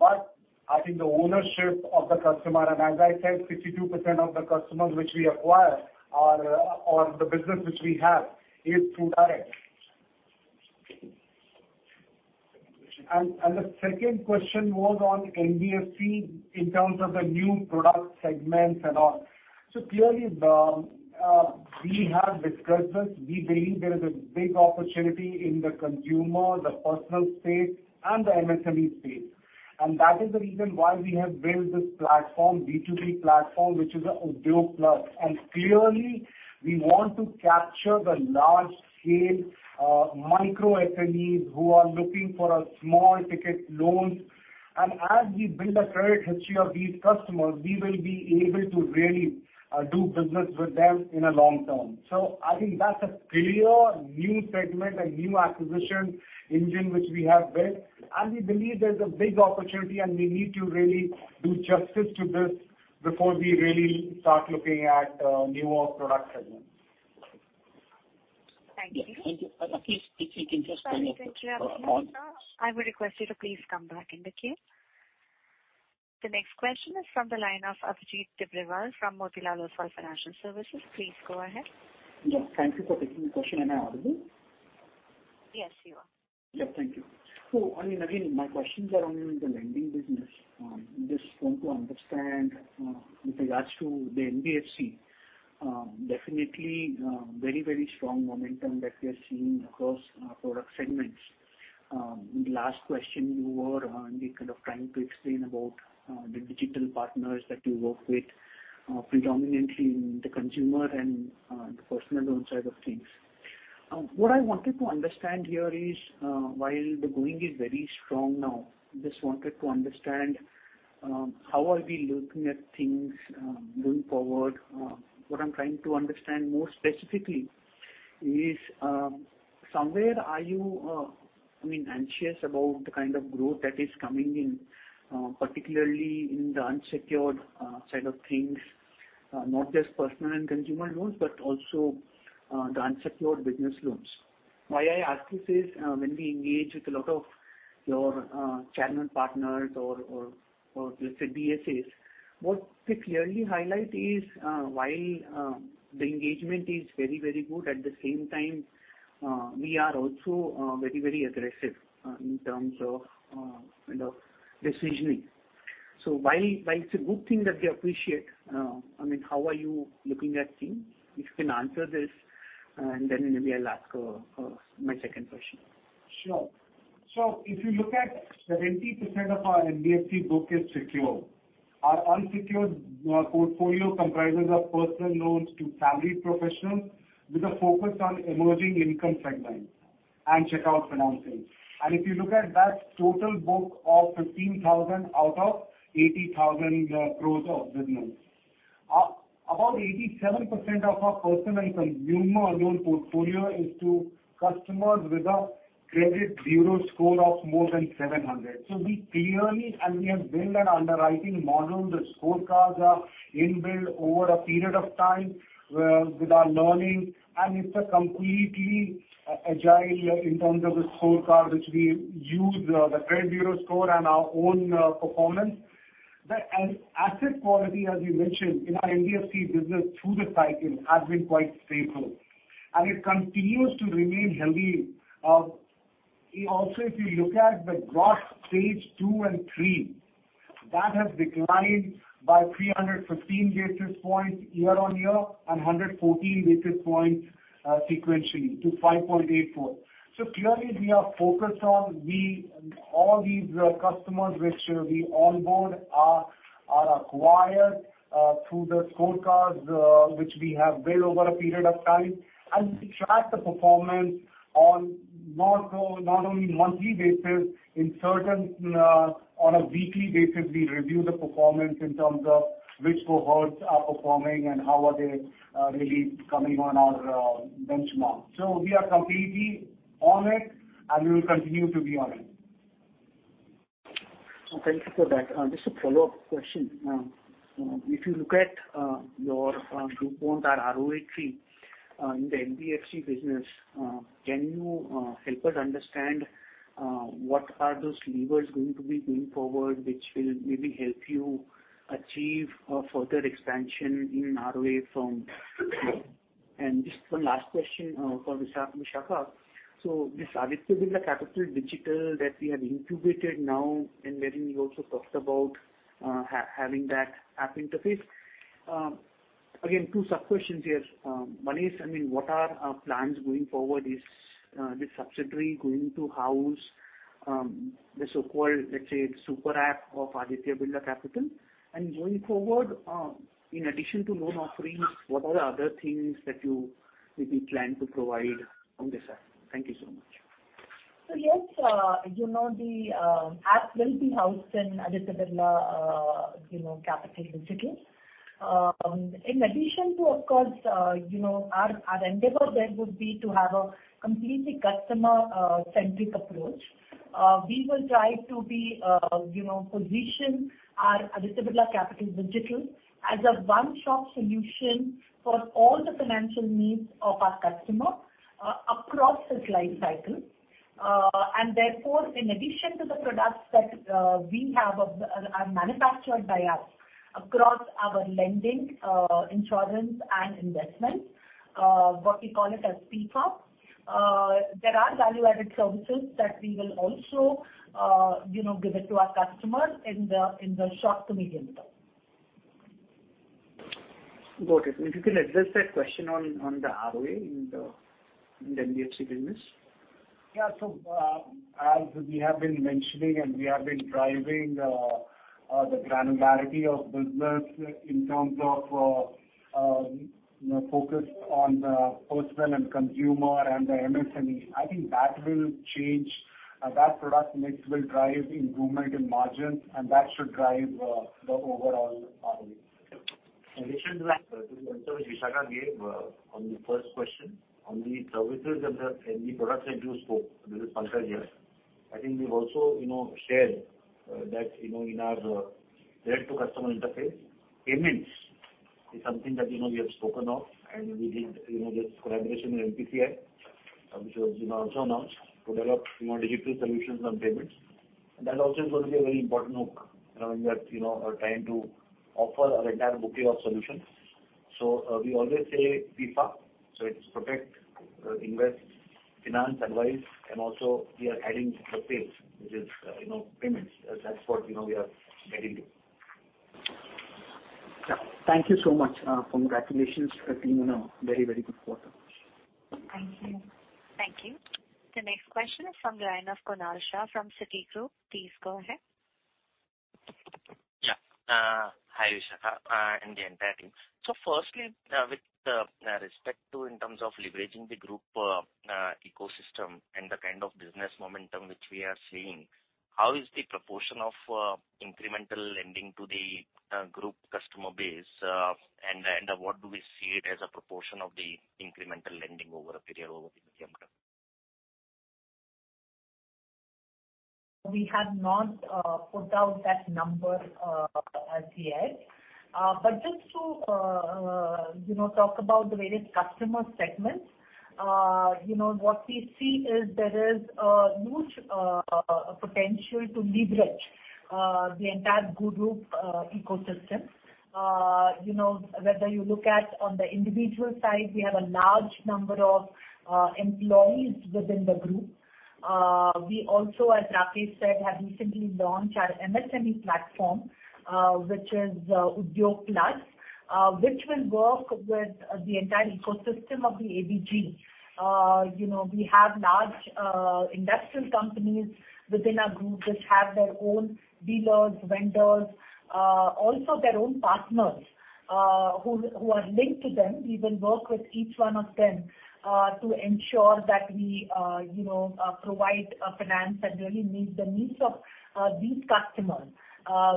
I think the ownership of the customer, and as I said, 62% of the customers which we acquire are, or the business which we have is through direct. Second question. The second question was on NBFC in terms of the new product segments and all. Clearly, we have discussed this. We believe there is a big opportunity in the consumer, the personal space and the MSME space. That is the reason why we have built this platform, B2B platform, which is Udyog Plus. Clearly, we want to capture the large-scale micro-SMEs who are looking for a small ticket loan. As we build a credit history of these customers, we will be able to really do business with them in a long term. I think that's a clear new segment, a new acquisition engine which we have built, and we believe there's a big opportunity and we need to really do justice to this before we really start looking at newer product segments. Thank you. Thank you. Rakesh, if you can just follow up on- Sorry, I would request you to please come back in the queue. The next question is from the line of Abhijit Tibrewal from Motilal Oswal Financial Services. Please go ahead. Yeah, thank you for taking the question. Am I audible? Yes, you are. Yeah. Thank you. I mean, again, my questions are on the lending business. Just want to understand with regards to the NBFC, definitely, very strong momentum that we are seeing across product segments. The last question you were kind of trying to explain about the digital partners that you work with predominantly in the consumer and the personal loan side of things. What I wanted to understand here is while the going is very strong now, just wanted to understand how are we looking at things going forward? What I'm trying to understand more specifically is somewhere are you, I mean, anxious about the kind of growth that is coming in particularly in the unsecured side of things? Not just personal and consumer loans, but also, the unsecured business loans. Why I ask this is, when we engage with a lot of your channel partners or let's say DSAs, what they clearly highlight is, while the engagement is very, very good, at the same time, we are also very aggressive in terms of kind of decisioning. While it's a good thing that we appreciate, I mean, how are you looking at things? If you can answer this and then maybe, I'll ask my second question. Sure. If you look at 70% of our NBFC book is secure. Our unsecured portfolio comprises of personal loans to salaried professionals with a focus on emerging income segments and checkout financing. If you look at that total book of 15,000 crores out of 80,000 crores of business. About 87% of our personal and consumer loan portfolio is to customers with a credit bureau score of more than 700. We are clearly and we have built an underwriting model. The scorecards are inbuilt over a period of time, with our learning, and it's a completely agile in terms of the scorecard which we use, the credit bureau score and our own performance. The asset quality, as you mentioned, in our NBFC business through the cycle has been quite stable and it continues to remain healthy. Also, if you look at the gross Stage Two and Three, that has declined by 315 basis points year-on-year and 114 basis points sequentially to 5.84. Clearly, we are focused on all these customers which we onboard are acquired through the scorecards which we have built over a period of time. We track the performance not only monthly basis, in certain on a weekly basis, we review the performance in terms of which cohorts are performing and how are they really coming on our benchmark. We are completely on it. We will continue to be on it. Thank you for that. Just a follow-up question. If you look at your group loan, that ROA, in the NBFC business, can you help us understand what are those levers going to be going forward, which will maybe help you achieve a further expansion in ROA from here? Just one last question for Vishakha. This Aditya Birla Capital Digital that we have incubated now, and wherein you also talked about having that app interface. Again, two sub-questions here. One is, I mean, what are our plans going forward? Is this subsidiary going to house the so-called, let's say, super app of Aditya Birla Capital? Going forward, in addition to loan offerings, what are the other things that you maybe plan to provide on this app? Thank you so much. Yes, you know, the app will be housed in Aditya Birla Capital Digital. In addition to, of course, you know, our endeavor there would be to have a completely customer centric approach. We will try to be, you know, position our Aditya Birla Capital Digital as a one-shop solution for all the financial needs of our customer across his life cycle. Therefore, in addition to the products that we have are manufactured by us across our lending, insurance and investment, what we call it as PIFA, there are value-added services that we will also, you know, give it to our customers in the short to medium term. Got it. If you can address that question on the ROA in the NBFC business. As we have been mentioning and we have been driving the granularity of business in terms of, you know, focus on the personal and consumer and the MSME. I think that will change. That product mix will drive improvement in margins, and that should drive the overall ROA. In addition to that, to the answer that Vishakha gave, on the first question on the services and the, and the products that you spoke. This is Pankaj here. I think we've also, you know, shared, that, you know, in our direct to customer interface, payments is something that, you know, we have spoken of and we did, you know, this collaboration with NPCI, which was, you know, also announced to develop, you know, digital solutions on payments. That also is going to be a very important hook, you know, in that, you know, trying to offer our entire bouquet of solutions. We always say PIFA, so it's protect, invest, finance, advise, and also we are adding the pays, which is, you know, payments. That's what, you know, we are heading to. Yeah. Thank you so much. Congratulations to the team on a very, very good quarter. Thank you. Thank you. The next question is from the line of Kunal Shah from Citigroup. Please go ahead. Hi, Vishakha, and the entire team. Firstly, with respect to in terms of leveraging the Group ecosystem and the kind of business momentum which we are seeing, how is the proportion of incremental lending to the Group customer base? What do we see it as a proportion of the incremental lending over a period, over the medium term? We have not put out that number as yet. Just to, you know, talk about the various customer segments. You know, what we see is there is huge potential to leverage the entire group ecosystem. You know, whether you look at on the individual side, we have a large number of employees within the group. We also, as Rajesh said, have recently launched our MSME platform, which is Udyog Plus, which will work with the entire ecosystem of the ABG. You know, we have large industrial companies within our group which have their own dealers, vendors, also their own partners, who are linked to them. We will work with each one of them, to ensure that we, you know, provide finance that really meet the needs of these customers,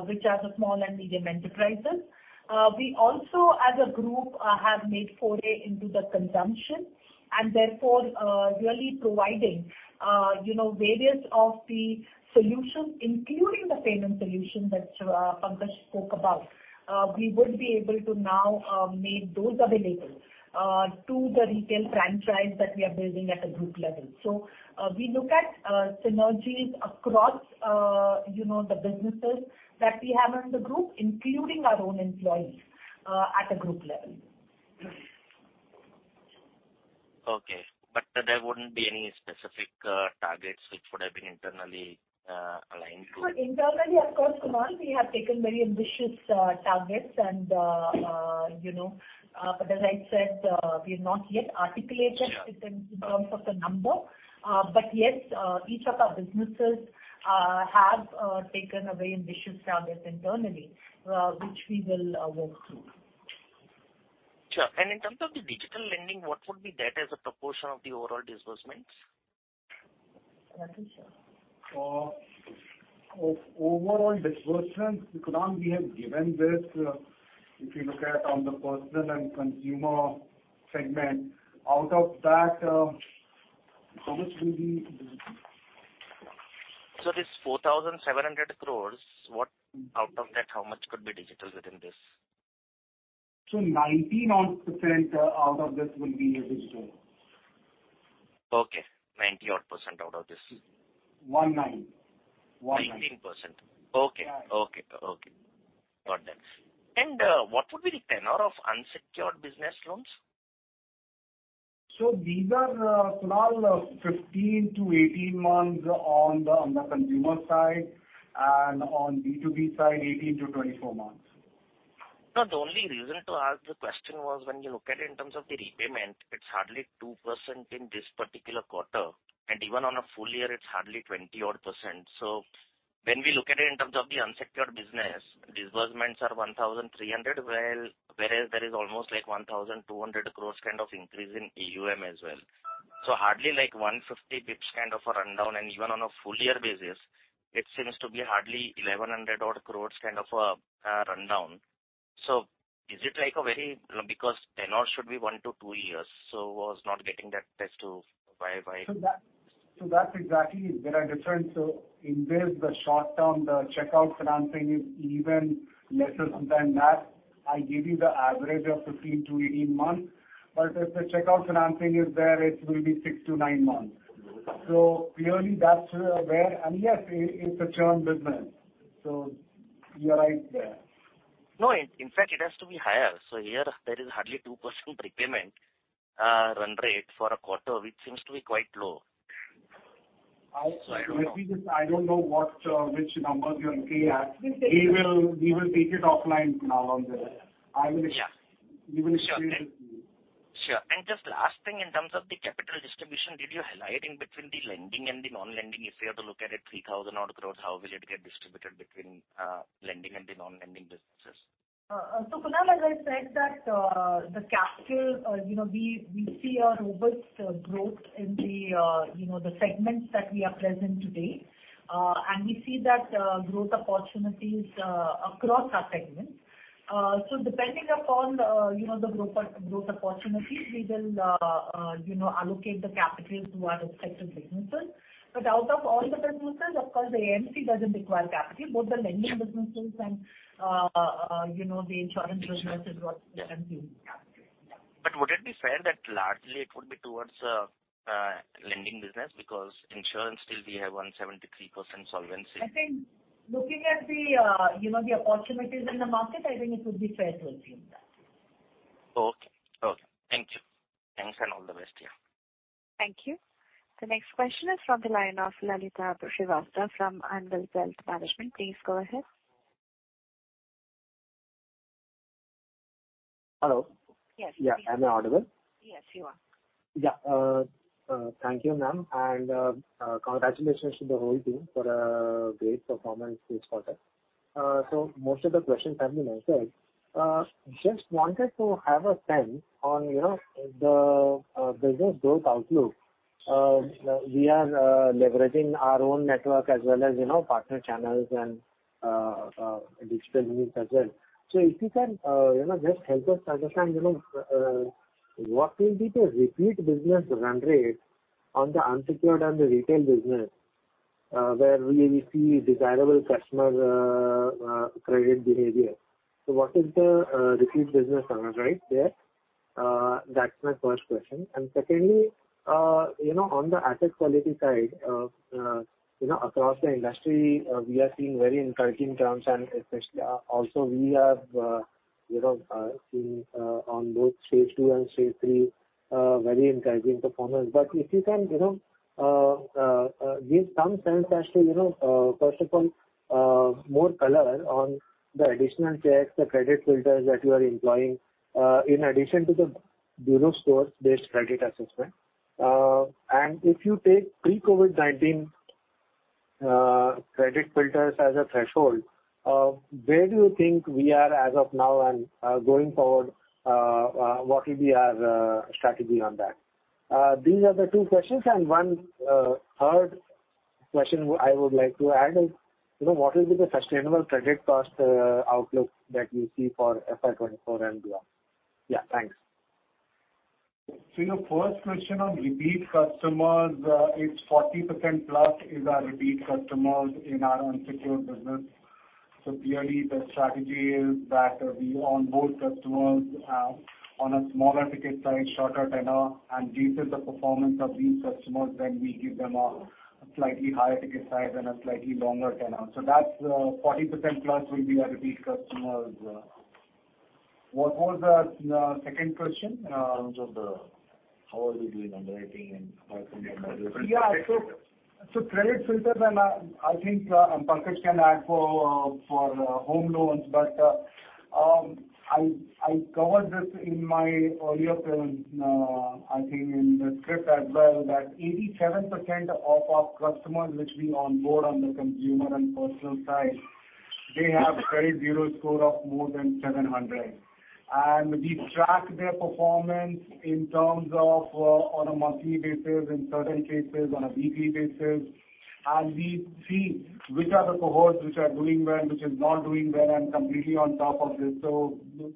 which are the small and medium enterprises. We also as a group, have made foray into the consumption and therefore, really providing, you know, various of the solutions, including the payment solution that Pankaj spoke about. We would be able to now, make those available to the retail franchise that we are building at a group level. We look at synergies across, you know, the businesses that we have in the group, including our own employees, at a group level. Okay. There wouldn't be any specific targets which would have been internally aligned to? Internally, of course, Kunal, we have taken very ambitious targets and, you know, but as I said, we have not yet articulated. Sure. -it in terms of the number. Yes, each of our businesses have taken a very ambitious target internally, which we will work through. Sure. In terms of the digital lending, what would be that as a proportion of the overall disbursements? Rakesh? Of overall disbursements, Kunal, we have given this. If you look at on the personal and consumer segment, out of that, how much will be digital? This 4,700 crores, what out of that, how much could be digital within this? 90 odd % out of this will be digital. Okay. 90 odd % out of this. 19. 19. 19%. Yeah. Okay. Okay. Okay. Got that. What would be the tenor of unsecured business loans? These are, Kunal, 15-18 months on the consumer side, and on B2B side, 18-24 months. No, the only reason to ask the question was when you look at it in terms of the repayment, it's hardly 2% in this particular quarter, and even on a full year, it's hardly 20 odd percent. When we look at it in terms of the unsecured business, disbursements are 1,300, well, whereas there is almost like 1,200 crores kind of increase in AUM as well. Hardly like 150 basis points kind of a rundown and even on a full year basis, it seems to be hardly 1,100 odd crores kind of a rundown. Because tenor should be 1 to 2 years, was not getting that test to why. That's exactly it. There are different... In this, the short term, the checkout financing is even lesser than that. I gave you the average of 15 to 18 months. If the checkout financing is there, it will be 6 to 9 months. Clearly that's where... Yes, it's a churn business. You are right there. In fact it has to be higher. Here there is hardly 2% prepayment, run rate for a quarter, which seems to be quite low. I, let me just. I don't know. I don't know what, which numbers you're looking at. We'll take this- We will take it offline now on this. Yeah. I will ex- Yeah. We will explain it to you. Sure. Just last thing in terms of the capital distribution, did you highlight in between the lending and the non-lending? If we have to look at it, 3,000 odd crores, how will it get distributed between lending and the non-lending businesses? Kunal, as I said that the capital, you know, we see a robust growth in the, you know, the segments that we are present today. And we see that growth opportunities across our segments. So depending upon, you know, the growth opportunities, we will allocate the capital to our respective businesses. But out of all the businesses, of course, the AMC doesn't require capital. Both the lending businesses and, you know, the insurance business is what requires capital. Would it be fair that largely it would be towards lending business because insurance still we have 173% solvency. I think looking at the, you know, the opportunities in the market, I think it would be fair to assume that. Okay. Okay. Thank you. Thanks and all the best to you. Thank you. The next question is from the line of Lalitabh Srivastava from Anvil Wealth Management. Please go ahead. Hello. Yes. Yeah. Am I audible? Yes, you are. Yeah. Thank you, ma'am, congratulations to the whole team for great performance this quarter. Most of the questions have been answered. Just wanted to have a sense on, you know, the business growth outlook. We are leveraging our own network as well as, you know, partner channels and digital means as well. If you can, you know, just help us understand, you know, what will be the repeat business run rate on the unsecured and the retail business, where we see desirable customer credit behavior. What is the repeat business run rate there? That's my first question. Secondly, you know, on the asset quality side, you know, across the industry, we are seeing very encouraging trends and especially, also we have, you know, seen, on both Stage Two and Stage Three, very encouraging performance. If you can, you know, give some sense as to, you know, first of all, more color on the additional checks, the credit filters that you are employing, in addition to the bureau score-based credit assessment. If you take pre-COVID-19, credit filters as a threshold, where do you think we are as of now and, going forward, what will be our strategy on that? These are the two questions. One, third question I would like to add is, you know, what will be the sustainable credit cost outlook that you see for FY 24 and beyond? Yeah. Thanks. Your first question on repeat customers, it's 40% plus is our repeat customers in our unsecured business. Clearly the strategy is that we onboard customers on a smaller ticket size, shorter tenor, and based on the performance of these customers, then we give them a slightly higher ticket size and a slightly longer tenor. That's 40% plus will be our repeat customers. What was the second question? In terms of the how are we doing underwriting and apart from that? Credit filters and I think Pankaj can add for home loans. I covered this in my earlier presentation, I think in the script as well, that 87% of our customers which we onboard on the consumer and personal side, they have credit bureau score of more than 700. We track their performance in terms of on a monthly basis in certain cases, on a weekly basis. We see which are the cohorts which are doing well, which is not doing well and completely on top of this.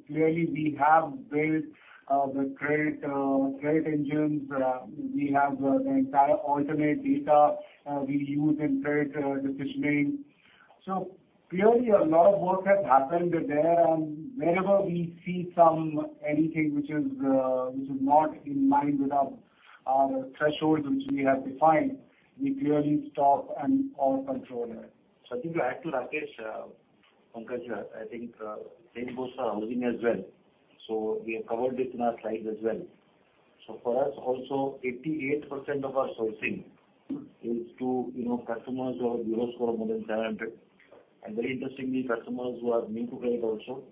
Clearly we have built the credit engines. We have the entire alternate data we use in credit decisioning. Clearly a lot of work has happened there. Wherever we see anything which is, which is not in line with our thresholds which we have defined, we clearly stop and are controlling it. I think to add to Rakesh Singh, Pankaj Gadgil, I think, same goes for housing as well. We have covered this in our slides as well. For us also, 88% of our sourcing is to, you know, customers who have bureau score more than 700. Very interestingly, customers who are new to credit also,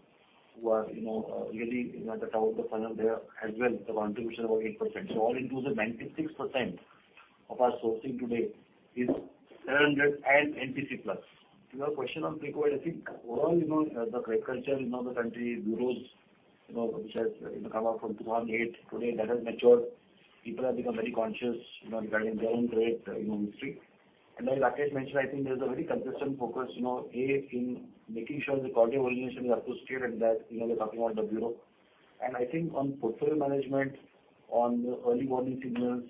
who are, you know, really, you know, at the top of the funnel there as well, the contribution of 8%. All included, 96% of our sourcing today is 700 and NPC plus. To your question on prequel, I think overall, you know, the credit culture in all the country bureaus, you know, which has, you know, come up from 218 today that has matured. People have become very conscious, you know, regarding their own credit, you know, history. As Rakesh mentioned, I think there's a very consistent focus, you know, A, in making sure the quality of origination is up to scale at that, you know, we're talking about the bureau. I think on portfolio management, on the early warning signals,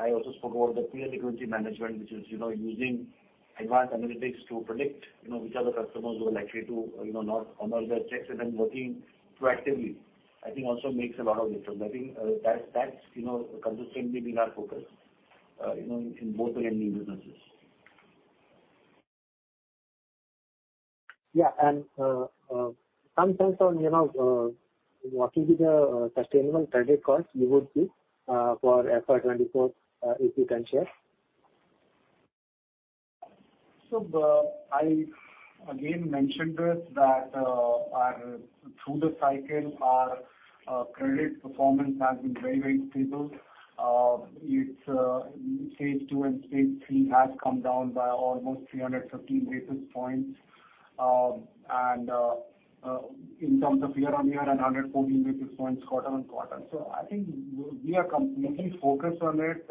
I also spoke about the pre-delinquency management, which is, you know, using advanced analytics to predict, you know, which are the customers who are likely to, you know, not honor their checks and then working proactively, I think also makes a lot of difference. I think, that's, you know, consistently been our focus, you know, in both the lending businesses. Yeah. Some sense on, you know, what will be the sustainable credit cost you would keep for FY 24, if you can share? I again mentioned this that, our, through the cycle our, credit performance has been very, very stable. It's, Stage Two and Stage Three has come down by almost 315 basis points. In terms of year-on-year and 114 basis points quarter-on-quarter. I think we are completely focused on it,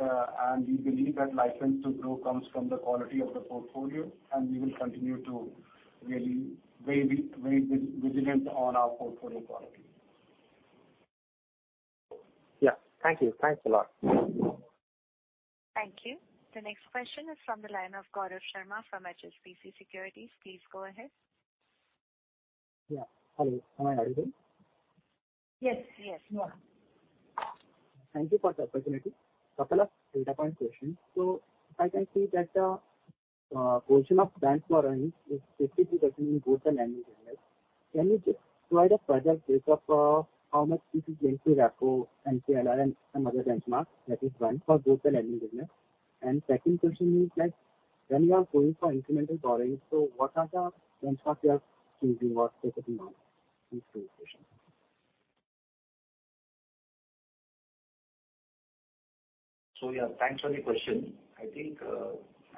and we believe that license to grow comes from the quality of the portfolio and we will continue to really very vigilant on our portfolio quality. Yeah. Thank you. Thanks a lot. Thank you. The next question is from the line of Gaurav Sharma from HSBC Securities. Please go ahead. Yeah. Hello. Am I audible? Yes. Yes, you are. Thank you for the opportunity. Couple of data point questions. If I can see that portion of banks for earnings is 52% in both the lending business. Can you just provide a project base of how much this is linked to repo and CLR and some other benchmarks that is one for both the lending business. Second question is like when you are going for incremental borrowing, what are the benchmarks you are choosing or focusing on these two questions? Thanks for the question. I think,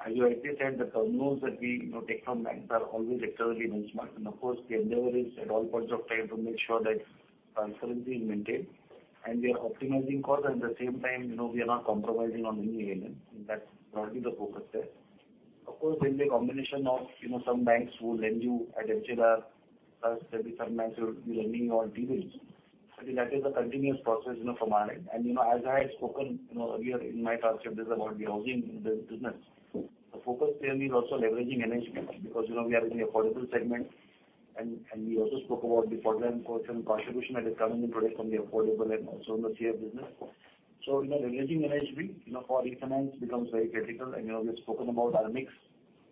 as you rightly said, the terminals that we, you know, take from banks are always eternally benchmark. Of course we endeavor is at all points of time to make sure that transparency is maintained and we are optimizing costs at the same time, you know, we are not compromising on any ALM and that's largely the focus there. Of course, there'll be a combination of, you know, some banks who lend you at HCLR plus there'll be some banks who will be lending you on T-Bills. I think that is a continuous process, you know, from our end. You know, as I had spoken, you know, earlier in my talk, this is about the housing business. The focus there means also leveraging NHB because you know, we are in the affordable segment and we also spoke about the four line four seven contribution that is coming in product from the affordable and also in the CA business. Leveraging NHB, you know, for refinance becomes very critical. We've spoken about our mix,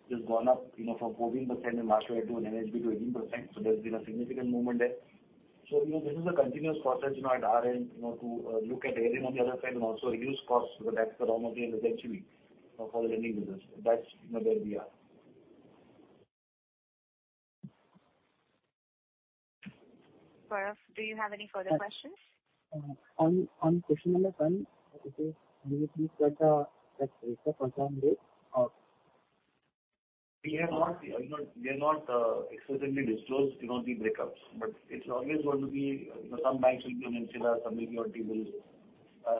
which has gone up, you know, from 14% in last year to an NHB to 18%. There's been a significant movement there. This is a continuous process, you know, at our end, you know, to look at ALM on the other side and also reduce costs because that's the name of the game essentially for our lending business. That's, you know, where we are. Gaurav, do you have any further questions? On question number one, okay, can you please share the exact rates of current rate? We have not, you know, explicitly disclosed, you know, the breakups. It's always going to be, you know, some banks will be on MCLR, some may be on T-Bills.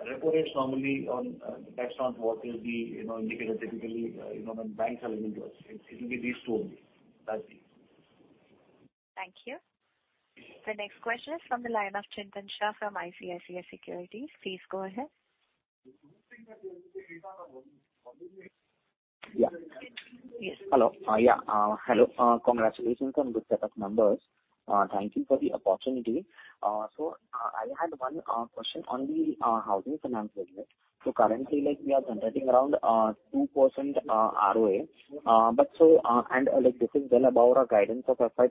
Repo rates normally on, based on what will be, you know, indicated typically, you know, when banks are lending to us, it will be these two only. That's it. Thank you. The next question is from the line of Chintan Shah from ICICI Securities. Please go ahead. Yeah. Yes. Hello? Yeah. Hello. Congratulations on good set of numbers. Thank you for the opportunity. I had one question on the housing finance segment. Currently, like we are generating around 2% ROA. Like this is well above our guidance of FY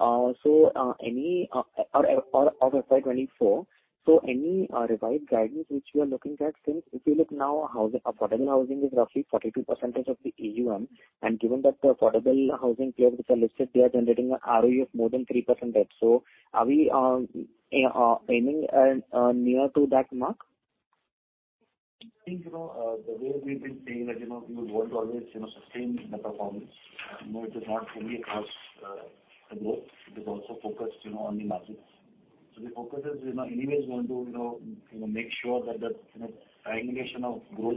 2023. Any of FY 2024, any revised guidance which you are looking at since if you look now, housing, affordable housing is roughly 42% of the AUM, given that the affordable housing players which are listed, they are generating a ROE of more than 3% debt. Are we aiming at near to that mark? I think, you know, the way we've been saying that, you know, we would want to always, you know, sustain the performance. You know, it is not only across the growth, it is also focused, you know, on the margins. The focus is, you know, anyway is going to, you know, make sure that the, you know, triangulation of growth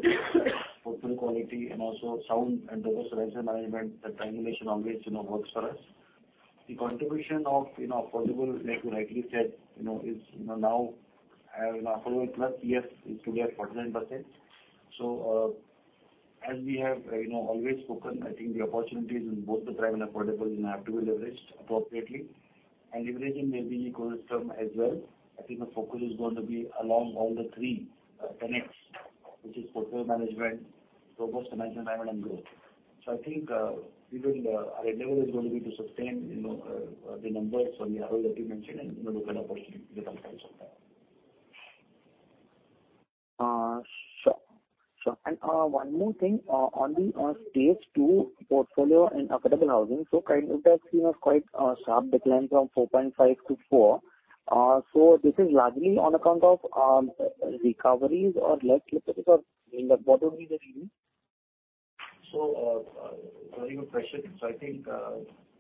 portfolio quality and also sound and diverse risk management, that triangulation always, you know, works for us. The contribution of, you know, affordable, like you rightly said, you know, is, you know, now, for over the plus years is today at 49%. As we have, you know, always spoken, I think the opportunities in both the prime and affordable, you know, have to be leveraged appropriately. Leveraging may be ecosystem as well. I think the focus is going to be along all the three tenets, which is portfolio management, robust management and growth. I think, even our endeavor is going to be to sustain, you know, the numbers from the ROE that you mentioned, and, you know, look at opportunities as and when they come up. Sure. Sure. One more thing on the Stage Two portfolio and affordable housing. Currently we have seen a quite sharp decline from 4.5 to 4. This is largely on account of recoveries or less legacies or in the bottom is the reason. Very good question. I think,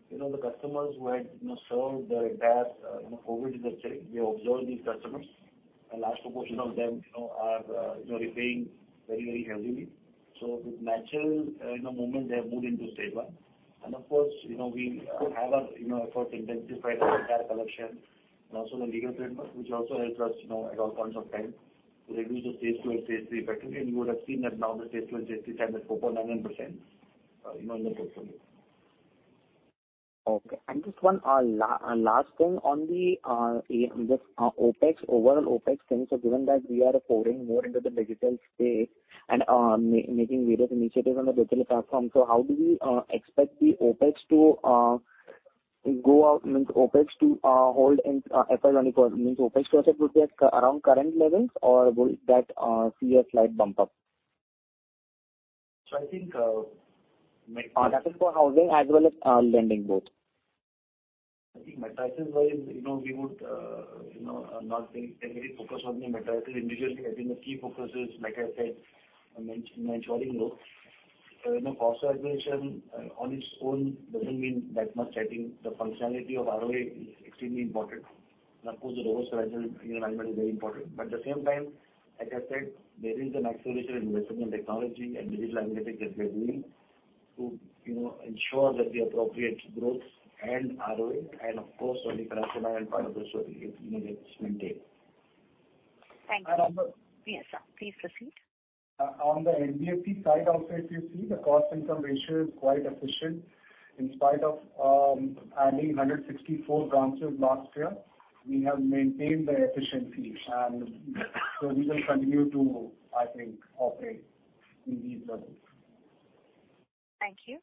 you know, the customers who had, you know, served their debt, you know, COVID is a change. We observe these customers, a large proportion of them, you know, are, you know, repaying very, very heavily. With natural, you know, movement, they have moved into Stage One. Of course, you know, we could have our, you know, efforts intensified the entire collection and also the legal framework, which also helped us, you know, at all points of time to reduce the Stage Two and Stage Three effectively. You would have seen that now the Stage Two and Stage Three stand at 4.99%, you know, in the portfolio. Okay. Just one last thing on the just OpEx, overall OpEx thing. Given that we are pouring more into the digital space and making various initiatives on the digital platform, how do we expect the OpEx to go up? Means OpEx to hold in FY 2024. Means OpEx growth would be at around current levels or will that see a slight bump up? I think. That is for housing as well as lending both. I think matrices wise, you know, we would, you know, not pay any focus on the matrices individually. I think the key focus is, like I said, man-managing maturing growth. You know, cost acceleration, on its own doesn't mean that much. I think the functionality of ROA is extremely important. Of course, the risk management is very important. At the same time, like I said, there is an acceleration in investment in technology and digital analytics that we are doing to, you know, ensure that the appropriate growth and ROA and of course, only personal and part of this will be, you know, is maintained. Thank you. Amber. Yes. Please proceed. On the NBFC side also, if you see the cost income ratio is quite efficient. In spite of, adding 164 branches last year, we have maintained the efficiency. We will continue to, I think, operate in these levels. Thank you.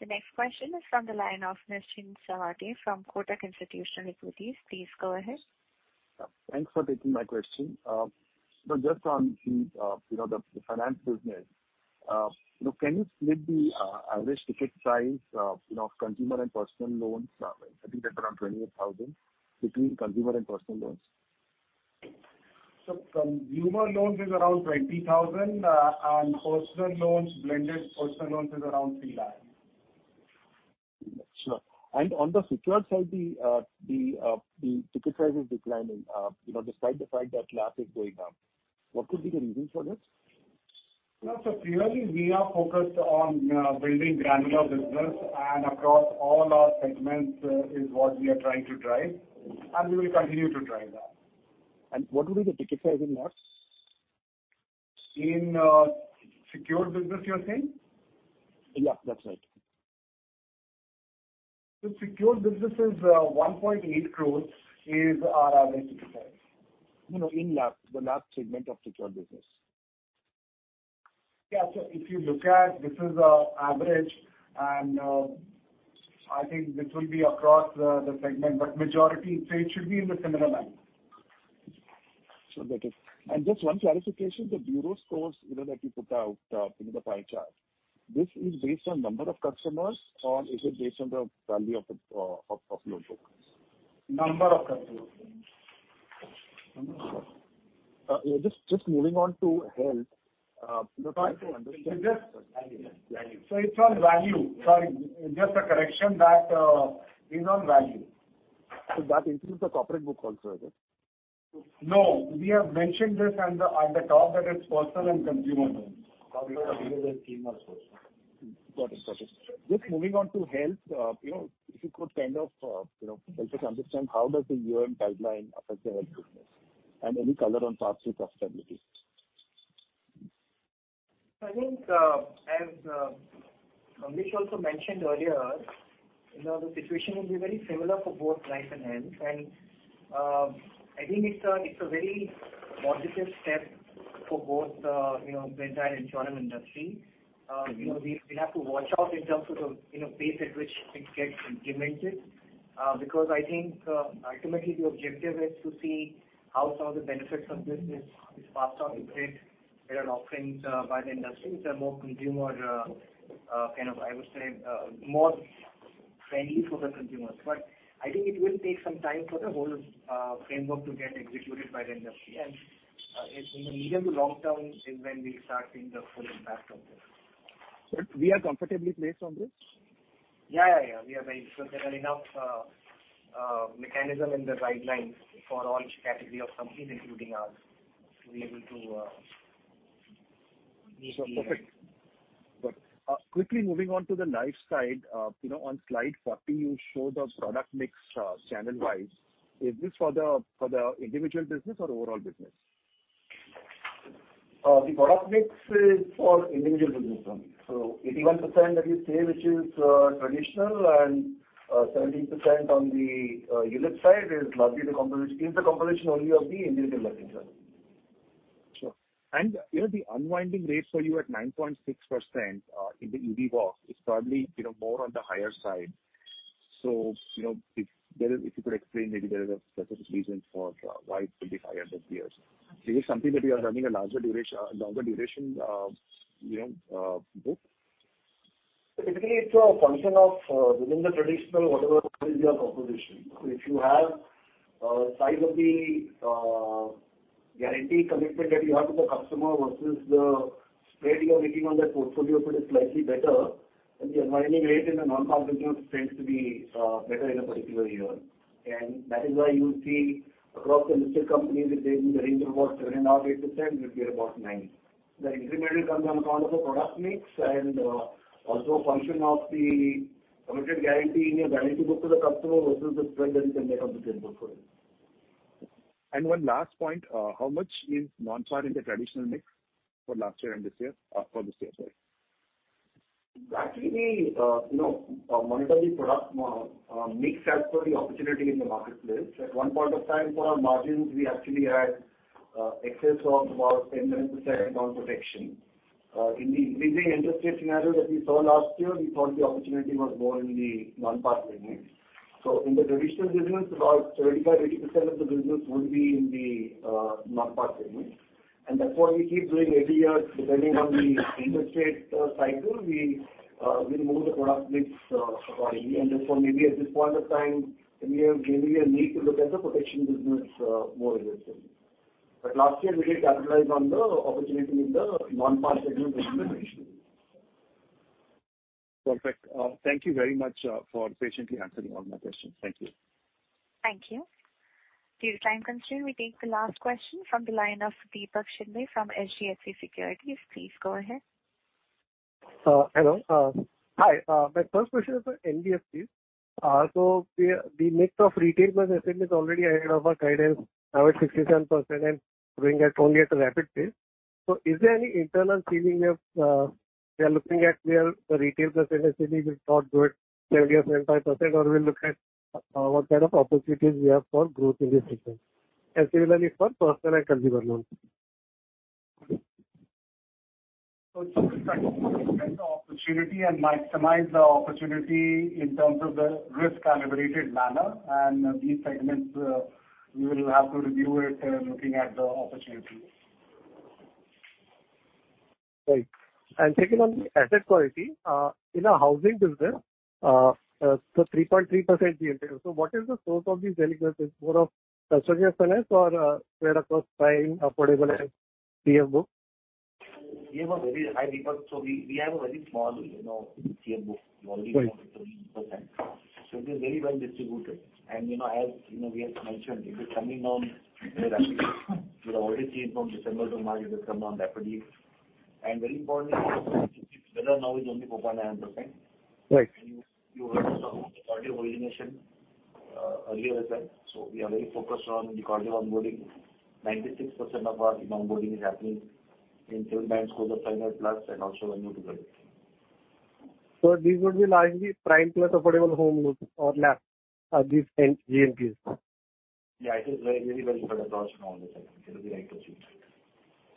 The next question is from the line of Nischint Chawathe from Kotak Institutional Equities. Please go ahead. Thanks for taking my question. Just on the, you know, the finance business. You know, can you split the average ticket size, you know, of consumer and personal loans? I think that's around 28,000 between consumer and personal loans. Consumer loans is around 20,000, and personal loans, blended personal loans is around 3 lakh. Sure. On the secured side, the ticket size is declining, you know, despite the fact that LAP is going up. What could be the reason for this? No. Clearly we are focused on, you know, building granular business and across all our segments, is what we are trying to drive, and we will continue to drive that. What will be the ticket size in LAP? In, secured business, you're saying? Yeah, that's right. secured business is, 1.8 crores is our average ticket size. You know, in LAP, the LAP segment of secured business. Yeah. If you look at this is our average and I think this will be across the segment, but majority say it should be in the similar line. Sure. That is. Just one clarification, the bureau scores, you know, that you put out, you know, the pie chart. This is based on number of customers or is it based on the value of your book? Number of customers. yeah, just moving on to health. I'm trying to understand- It's just value. Value. It's on value. Sorry, just a correction that, is on value. That includes the corporate book also, is it? No, we have mentioned this on the top that it's personal and consumer loans. Got it. Just moving on to health. You know, if you could kind of, you know, help us understand how does the UAM guideline affect the health business and any color on path to profitability? I think as Amish also mentioned earlier, you know, the situation will be very similar for both life and health. I think it's a very positive step for both, you know, general insurance industry. You know, we have to watch out in terms of the, you know, pace at which it gets implemented. Because I think ultimately the objective is to see how some of the benefits of this is passed on to create better offerings by the industry. It's a more consumer kind of, I would say, more friendly for the consumers. I think it will take some time for the whole framework to get executed by the industry. In the medium to long term is when we start seeing the full impact of this. We are comfortably placed on this? Yeah, yeah. We are very... There are enough mechanism in the guidelines for all category of companies, including us, to be able to meet. Perfect. Quickly moving on to the life side. You know, on Slide 40, you show the product mix, channel wise. Is this for the, for the individual business or overall business? The product mix is for individual business only. 81% that you say, which is traditional and 17% on the unit side is largely the composition, is the composition only of the individual business. Sure. You know, the unwinding rates for you at 9.6% in the UV box is probably, you know, more on the higher side. You know, if you could explain maybe there is a specific reason for why it will be higher than peers. Is it something that you are running a larger duration, longer duration, you know, book? Typically, it's a function of, within the traditional whatever your composition. If you have, size of the, guarantee commitment that you have to the customer versus the spread you are making on that portfolio if it is slightly better, then the unwinding rate in the non-consecutives tends to be, better in a particular year. That is why you'll see across the listed companies, it's in the range of about 7.5%, 8%, we'll be at about 9%. The incremental comes down upon the product mix and, also a function of the committed guarantee in your guarantee book to the customer versus the spread that you can make on the same book for it. One last point, how much is non-fund in the traditional mix for last year and this year, for this year, sorry? Actually, we, you know, monitor the product mix as per the opportunity in the marketplace. At 1 point of time for our margins, we actually had excess of about 10% on protection. In the increasing interest rate scenario that we saw last year, we thought the opportunity was more in the non-fund segment. In the traditional business, about 35%-80% of the business will be in the non-fund segment. We keep doing every year depending on the interest rate cycle, we move the product mix accordingly. Maybe at this point of time, we have, maybe a need to look at the protection business more aggressively. Last year, we did capitalize on the opportunity in the non-fund segment. Perfect. Thank you very much for patiently answering all my questions. Thank you. Thank you. Due to time constraint, we take the last question from the line of Deepak Shinde from HDFC Securities. Please go ahead. Hello. Hi. My first question is for NBFC. The, the mix of retail plus SME is already ahead of our guidance, now at 67% and growing at only at a rapid pace. Is there any internal feeling of, we are looking at where the retail plus SME will not grow at 70% or 75% or we'll look at, what kind of opportunities we have for growth in this segment? Similarly for personal and consumer loans. The opportunity and maximize the opportunity in terms of the risk-calibrated manner and these segments, we will have to review it, looking at the opportunity. Right. Second, on the asset quality, in a housing business, 3.3% GNPs. What is the source of these delinquencies? More of customer segments or spread across prime, affordable and CM book? We have a very high default, so we have a very small, you know, CM book. Right. Only 1.3%. It is very well distributed. You know, as, you know, we have mentioned, it is coming down very rapidly. We have already seen from December to March, it has come down rapidly. Very importantly, now is only 0.9%. Right. You heard us about the quality of origination earlier as well. We are very focused on the quality of onboarding. 96% of our onboarding is happening in tier one scores of 500 plus and also when you develop. These would be largely prime plus affordable home loans or less, these GNPs. Yeah, I think very, very, very small percentage. It will be very close to zero.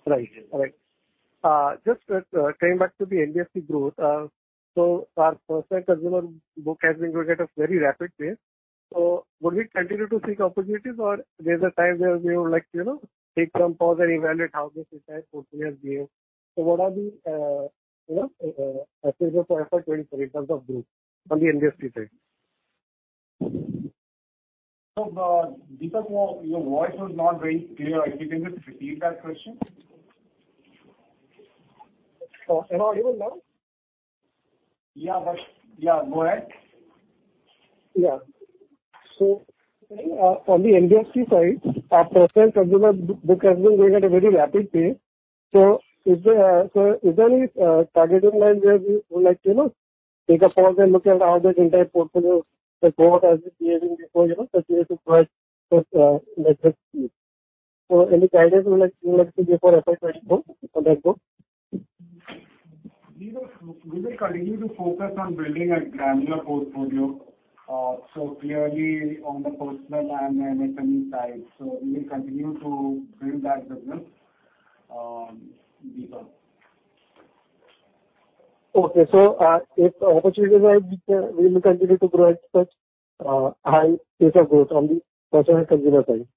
Right. All right. Just coming back to the NBFC growth. Our personal consumer book has been growing at a very rapid pace. Would we continue to seek opportunities or there's a time where we would like to, you know, take some pause and evaluate how this entire portfolio is being? What are the, you know, for FY 2024 in terms of growth on the NBFC side? Deepak, your voice was not very clear. If you can just repeat that question? Am I audible now? Yeah, but yeah, go ahead. Yeah. On the NBFC side, our personal consumer book has been growing at a very rapid pace. Is there any target in mind where we would like to, you know, take a pause and look at how that entire portfolio performance is behaving before, you know, pursuing it further? Let us see. Any guidance you would like to give for FY 2024 for that book? We will continue to focus on building a granular portfolio, so clearly on the personal and MSME side. We will continue to build that business deeper. Okay. If the opportunities arise, we will continue to grow at such high pace of growth on the personal consumer side.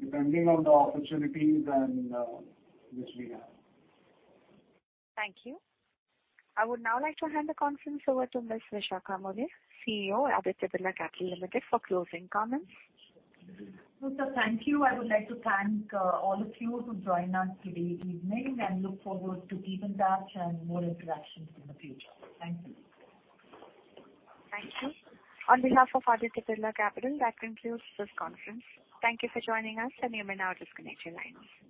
Depending on the opportunities and which we have. Thank you. I would now like to hand the conference over to Ms. Vishakha Mulye, CEO, Aditya Birla Capital Limited, for closing comments. Sure. Thank you. I would like to thank all of you who joined us today evening and look forward to keeping touch and more interactions in the future. Thank you. Thank you. On behalf of Aditya Birla Capital, that concludes this conference. Thank you for joining us, and you may now disconnect your line.